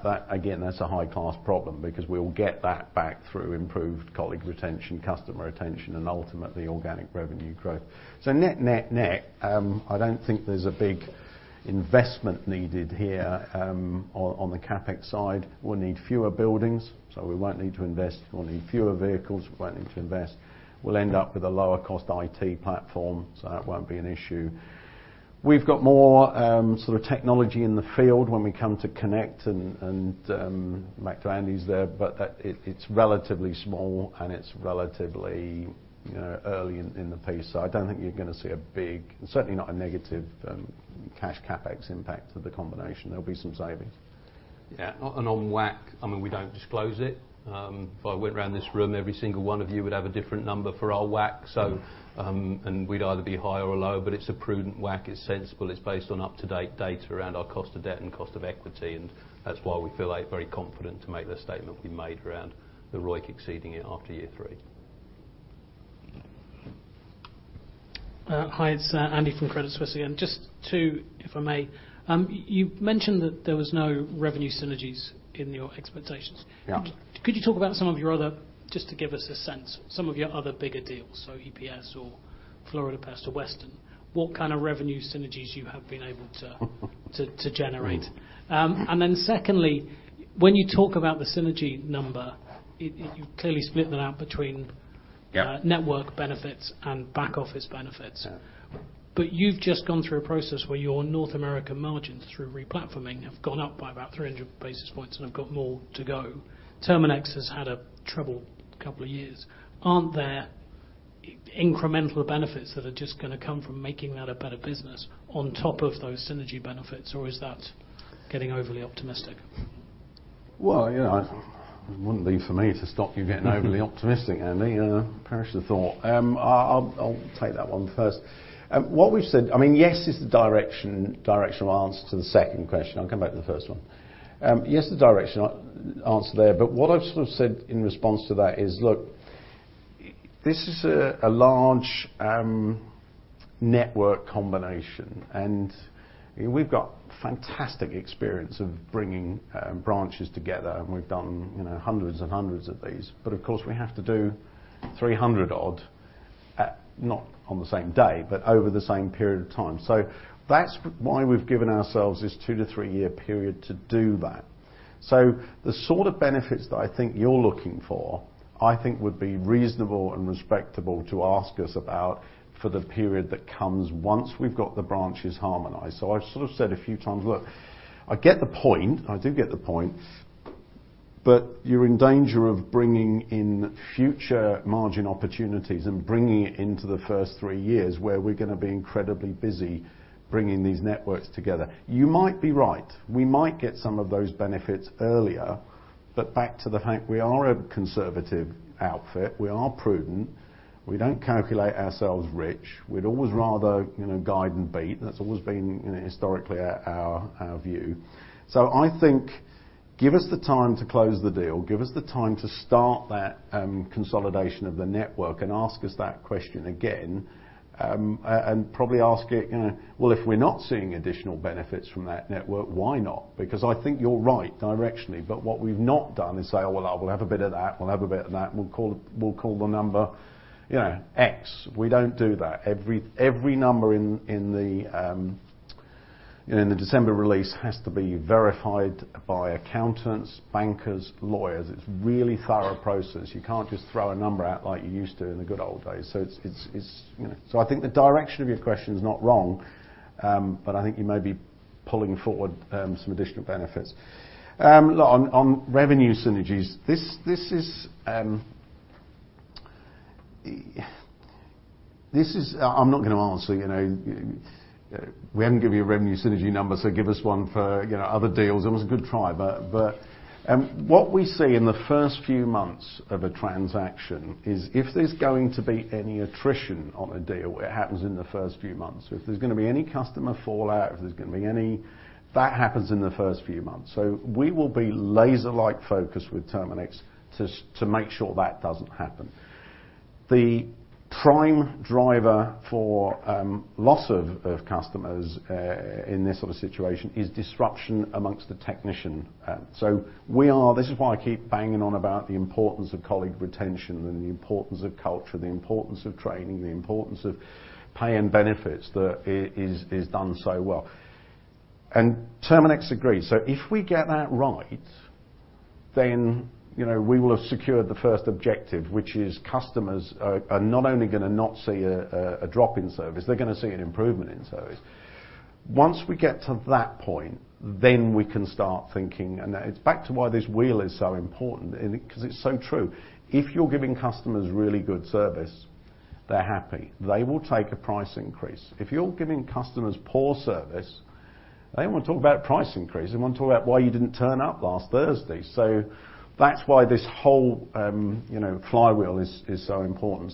that again, that's a high-cost problem because we'll get that back through improved colleague retention, customer retention and ultimately organic revenue growth. Net, I don't think there's a big investment needed here, on the CapEx side. We'll need fewer buildings, so we won't need to invest. We'll need fewer vehicles; we won't need to invest. We'll end up with a lower cost IT platform, so that won't be an issue. We've got more, sort of technology in the field when we come to connect and back to Andy's there, but that it's relatively small and it's relatively, early in the piece. I don't think you're gonna see a big, certainly not a negative, cash CapEx impact of the combination. There'll be some savings. Yeah. On WACC, I mean, we don't disclose it. If I went around this room, every single one of you would have a different number for our WACC. We'd either be high or low, but it's a prudent WACC. It's sensible. It's based on up-to-date data around our cost of debt and cost of equity, and that's why we feel, like, very confident to make the statement we made around the ROIC exceeding it after year three. Hi, it's Andy from Credit Suisse again. Just to, if I may, you mentioned that there was no revenue synergies in your expectations. Yeah. Could you talk about some of your other, just to give us a sense, some of your other bigger deals, so EPS or Florida Pest or Western, what kind of revenue synergies you have been able to generate? Secondly, when you talk about the synergy number, you clearly split that out between- Yeah Network benefits and back office benefits. Yeah. You've just gone through a process where your North American margins through replatforming have gone up by about 300 basis points and have got more to go. Terminix has had a troubled couple of years. Aren't there incremental benefits that are just gonna come from making that a better business on top of those synergy benefits, or is that getting overly optimistic? Well, you know, it wouldn't be for me to stop you getting overly optimistic, Andy. Perish the thought. I'll take that one first. What we've said, I mean, yes, is the directional answer to the second question. I'll come back to the first one. Yes, the directional answer there. What I've sort of said in response to that is, look, this is a large network combination, and we've got fantastic experience of bringing branches together, and we've done, hundreds and hundreds of these. Of course, we have to do 300-odd not on the same day, but over the same period of time. That's why we've given ourselves this two-three-year period to do that. The sort of benefits that I think you're looking for, I think would be reasonable and respectable to ask us about for the period that comes once we've got the branches harmonized. I've sort of said a few times, look, I get the point. I do get the point, but you're in danger of bringing in future margin opportunities and bringing it into the first three years where we're gonna be incredibly busy bringing these networks together. You might be right. We might get some of those benefits earlier. Back to the fact we are a conservative outfit. We are prudent. We don't calculate ourselves rich. We'd always rather, guide and beat. That's always been, historically our view. I think, give us the time to close the deal, give us the time to start that consolidation of the network, and ask us that question again. And probably ask it, well, if we're not seeing additional benefits from that network, why not? Because I think you're right directionally, but what we've not done is say, "Oh, well, we'll have a bit of that. We'll have a bit of that. We'll call the number, X." We don't do that. Every number in the December release has to be verified by accountants, bankers, lawyers. It's really thorough process. You can't just throw a number out like you used to in the good old days. It's, I think the direction of your question is not wrong, but I think you may be pulling forward some additional benefits. On revenue synergies, I'm not gonna answer, we haven't given you a revenue synergy number, so give us one for, other deals. It was a good try. What we see in the first few months of a transaction is if there's going to be any attrition on a deal, it happens in the first few months. If there's gonna be any customer fallout, that happens in the first few months. We will be laser-like focused with Terminix to make sure that doesn't happen. The prime driver for loss of customers in this sort of situation is disruption amongst the technician. This is why I keep banging on about the importance of colleague retention and the importance of culture, the importance of training, the importance of pay and benefits that is done so well. Terminix agrees. If we get that right, then, we will have secured the first objective, which is customers are not only gonna not see a drop in service, they're gonna see an improvement in service. Once we get to that point, we can start thinking. It's back to why this wheel is so important and it, because it's so true. If you're giving customers really good service, they're happy. They will take a price increase. If you're giving customers poor service, they don't wanna talk about price increase, they wanna talk about why you didn't turn up last Thursday. That's why this whole flywheel is so important.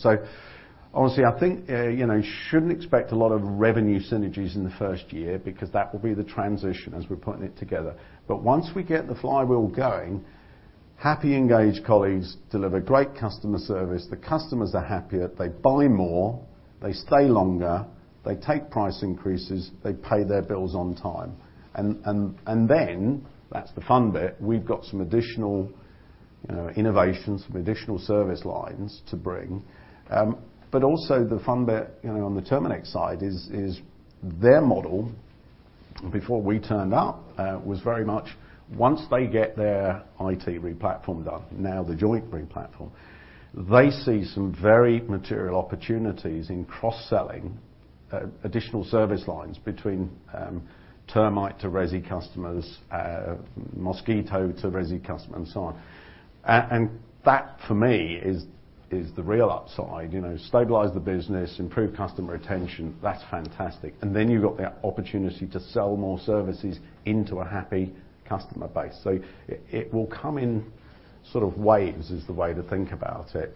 Honestly, I think, you shouldn't expect a lot of revenue synergies in the first year because that will be the transition as we're putting it together. Once we get the flywheel going, happy, engaged colleagues deliver great customer service. The customers are happier, they buy more, they stay longer, they take price increases, they pay their bills on time. Then that's the fun bit, we've got some additional, innovations, some additional service lines to bring. Also the fun bit, on the Terminix side is their model before we turned up, was very much once they get their IT replatform done, now the joint replatform, they see some very material opportunities in cross-selling, additional service lines between, termite to resi customers, mosquito to resi customers and so on. That for me is the real upside. You know, stabilize the business, improve customer retention, that's fantastic. Then you've got the opportunity to sell more services into a happy customer base. It will come in sort of waves, is the way to think about it.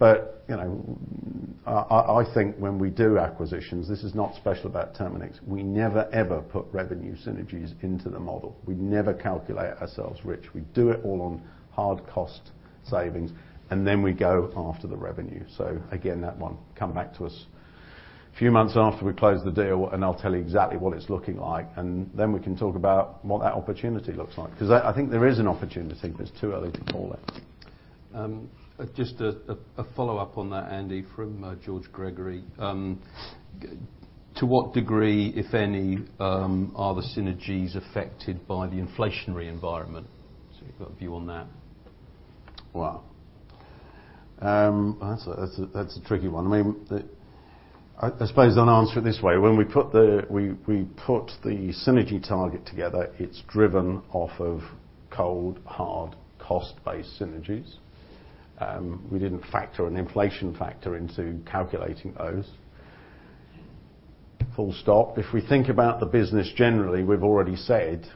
You know, I think when we do acquisitions, this is not special about Terminix, we never, ever put revenue synergies into the model. We never calculate ourselves rich. We do it all on hard cost savings, and then we go after the revenue. Again, that one, come back to us a few months after we close the deal, and I'll tell you exactly what it's looking like, and then we can talk about what that opportunity looks like. 'Cause I think there is an opportunity, but it's too early to call it. Just a follow-up on that, Andy, from George Gregory. To what degree, if any, are the synergies affected by the inflationary environment? You've got a view on that. Wow. That's a tricky one. I mean, I suppose I'll answer it this way: When we put the synergy target together, it's driven off of cold, hard cost-based synergies. We didn't factor an inflation factor into calculating those. Full stop. If we think about the business generally, we've already said,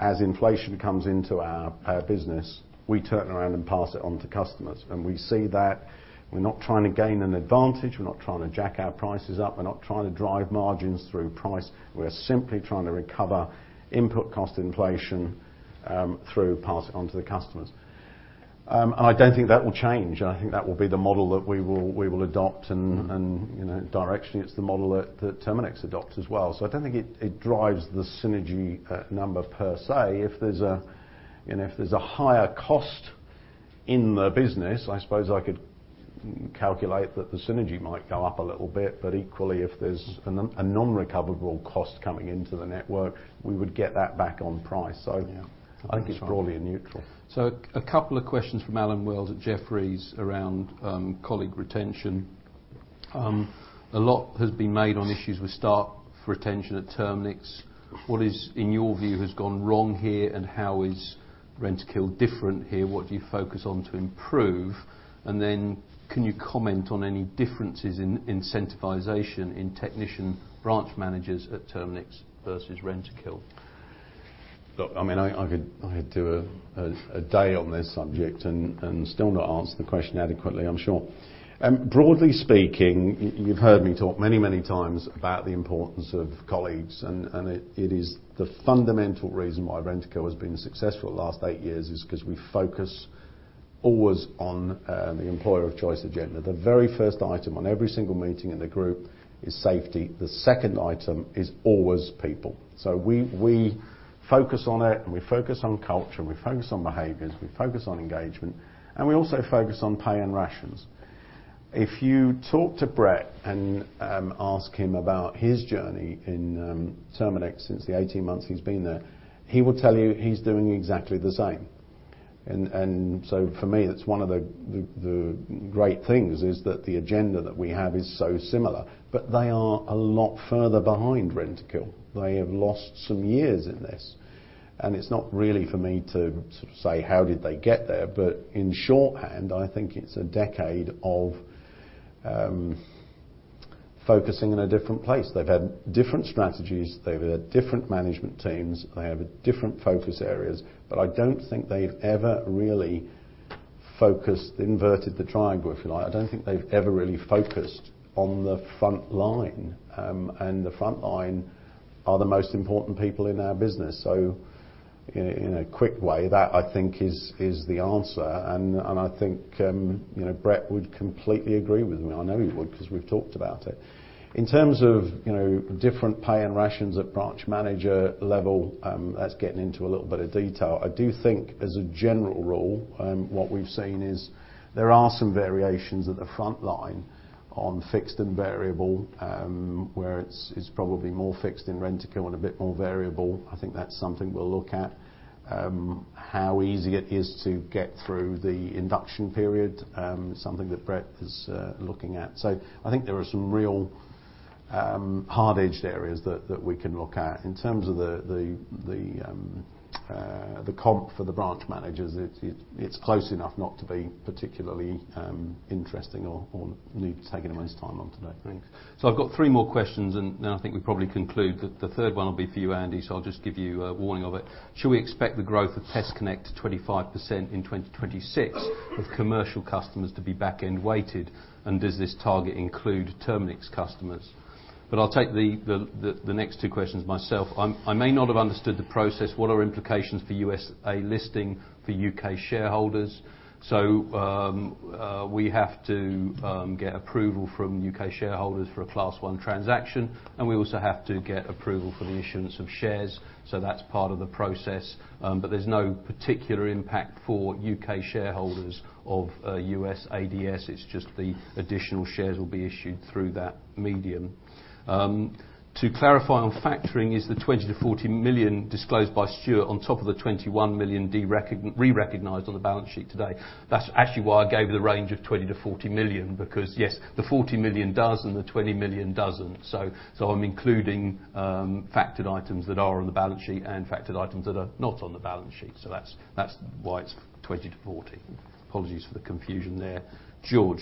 as inflation comes into our business, we turn around and pass it on to customers. We see that. We're not trying to gain an advantage. We're not trying to jack our prices up. We're not trying to drive margins through price. We're simply trying to recover input cost inflation, through pass it on to the customers. I don't think that will change, and I think that will be the model that we will adopt and, directionally it's the model that Terminix adopts as well. I don't think it drives the synergy number per se. If there's, a higher cost in the business, I suppose I could calculate that the synergy might go up a little bit. But equally, if there's a non-recoverable cost coming into the network, we would get that back on price. Yeah. That's right. I think it's broadly a neutral. A couple of questions from Allen Wells at Jefferies around colleague retention. A lot has been made on issues with staff retention at Terminix. What, in your view, has gone wrong here, and how is Rentokil different here? What do you focus on to improve? Can you comment on any differences in incentivization in technician branch managers at Terminix versus Rentokil? Look, I mean, I could do a day on this subject and still not answer the question adequately, I'm sure. Broadly speaking, you've heard me talk many times about the importance of colleagues, and it is the fundamental reason why Rentokil has been successful the last eight years because we focus always on the employer of choice agenda. The very first item on every single meeting in the group is safety. The second item is always people. We focus on it, and we focus on culture, and we focus on behaviors, we focus on engagement, and we also focus on pay and rations. If you talk to Brett and ask him about his journey in Terminix since the 18 months he's been there, he will tell you he's doing exactly the same. For me, that's one of the great things is that the agenda that we have is so similar. They are a lot further behind Rentokil. They have lost some years in this. It's not really for me to say how did they get there, but in shorthand, I think it's a decade of focusing in a different place. They've had different strategies, they've had different management teams, they have different focus areas, but I don't think they've ever really focused, inverted the triangle, if you like. I don't think they've ever really focused on the front line. The front line are the most important people in our business. In a quick way, that I think is the answer. I think Brett would completely agree with me. I know he would because we've talked about it. In terms of, different pay and rations at branch manager level, that's getting into a little bit of detail. I do think as a general rule, what we've seen is there are some variations at the front line on fixed and variable, where it's probably more fixed in Rentokil and a bit more variable. I think that's something we'll look at, how easy it is to get through the induction period, something that Brett is looking at. I think there are some real hard-edged areas that we can look at. In terms of the comp for the branch managers, it's close enough not to be particularly interesting or need taking up most time on today. Thanks. I've got three more questions, and then I think we probably conclude. The third one will be for you, Andy, so I'll just give you a warning of it. Should we expect the growth of PestConnect to 25% in 2026 with commercial customers to be back-end weighted? And does this target include Terminix customers? I'll take the next two questions myself. I may not have understood the process. What are implications for U.S. listing for U.K. shareholders? We have to get approval from U.K. shareholders for a Class 1 transaction, and we also have to get approval for the issuance of shares. That's part of the process. There's no particular impact for U.K. shareholders of U.S. ADS. It's just the additional shares will be issued through that medium. To clarify on factoring, is the 20 million-40 million disclosed by Stuart on top of the 21 million derecognized on the balance sheet today? That's actually why I gave the range of 20 million-40 million, because yes, the 40 million does and the 20 million doesn't. So I'm including factored items that are on the balance sheet and factored items that are not on the balance sheet. So that's why it's 20-40. Apologies for the confusion there. George.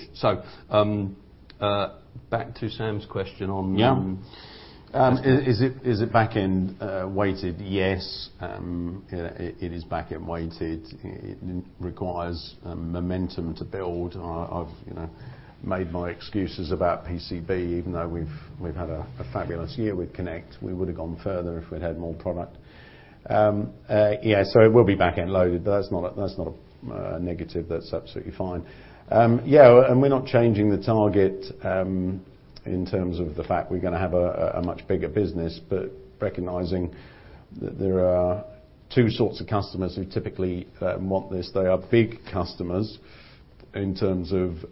Back to Sam's question on- Yeah PestConnect. Is it back-end weighted? Yes, it is back-end weighted. It requires momentum to build. I've made my excuses about PCB, even though we've had a fabulous year with Connect. We would have gone further if we'd had more product. Yeah, it will be back-end loaded. That's not a negative. That's absolutely fine. Yeah, we're not changing the target in terms of the fact we're gonna have a much bigger business but recognizing that there are two sorts of customers who typically want this. They are big customers in terms of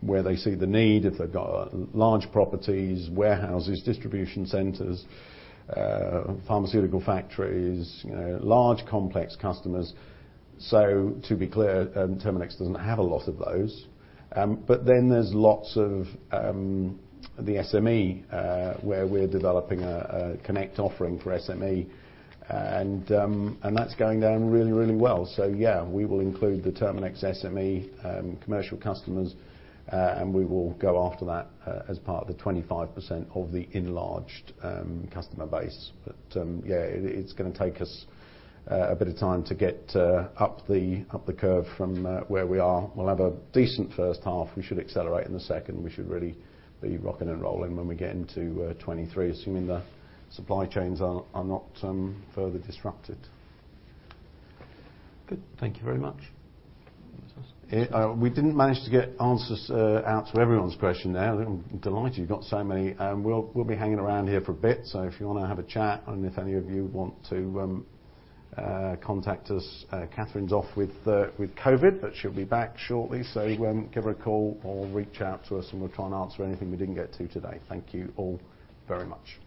where they see the need. If they've got large properties, warehouses, distribution centers, pharmaceutical factories, large complex customers. To be clear, Terminix doesn't have a lot of those. There's lots of the SME where we're developing a PestConnect offering for SME, and that's going down really, really well. Yeah, we will include the Terminix SME commercial customers, and we will go after that as part of the 25% of the enlarged customer base. Yeah, it's gonna take us a bit of time to get up the curve from where we are. We'll have a decent first half. We should accelerate in the second. We should really be rocking and rolling when we get into 2023, assuming the supply chains are not further disrupted. Good. Thank you very much. We didn't manage to get answers out to everyone's question there. I'm delighted you've got so many. We'll be hanging around here for a bit. If you wanna have a chat and if any of you want to contact us, Catherine's off with COVID, but she'll be back shortly. Give her a call or reach out to us and we'll try and answer anything we didn't get to today. Thank you all very much.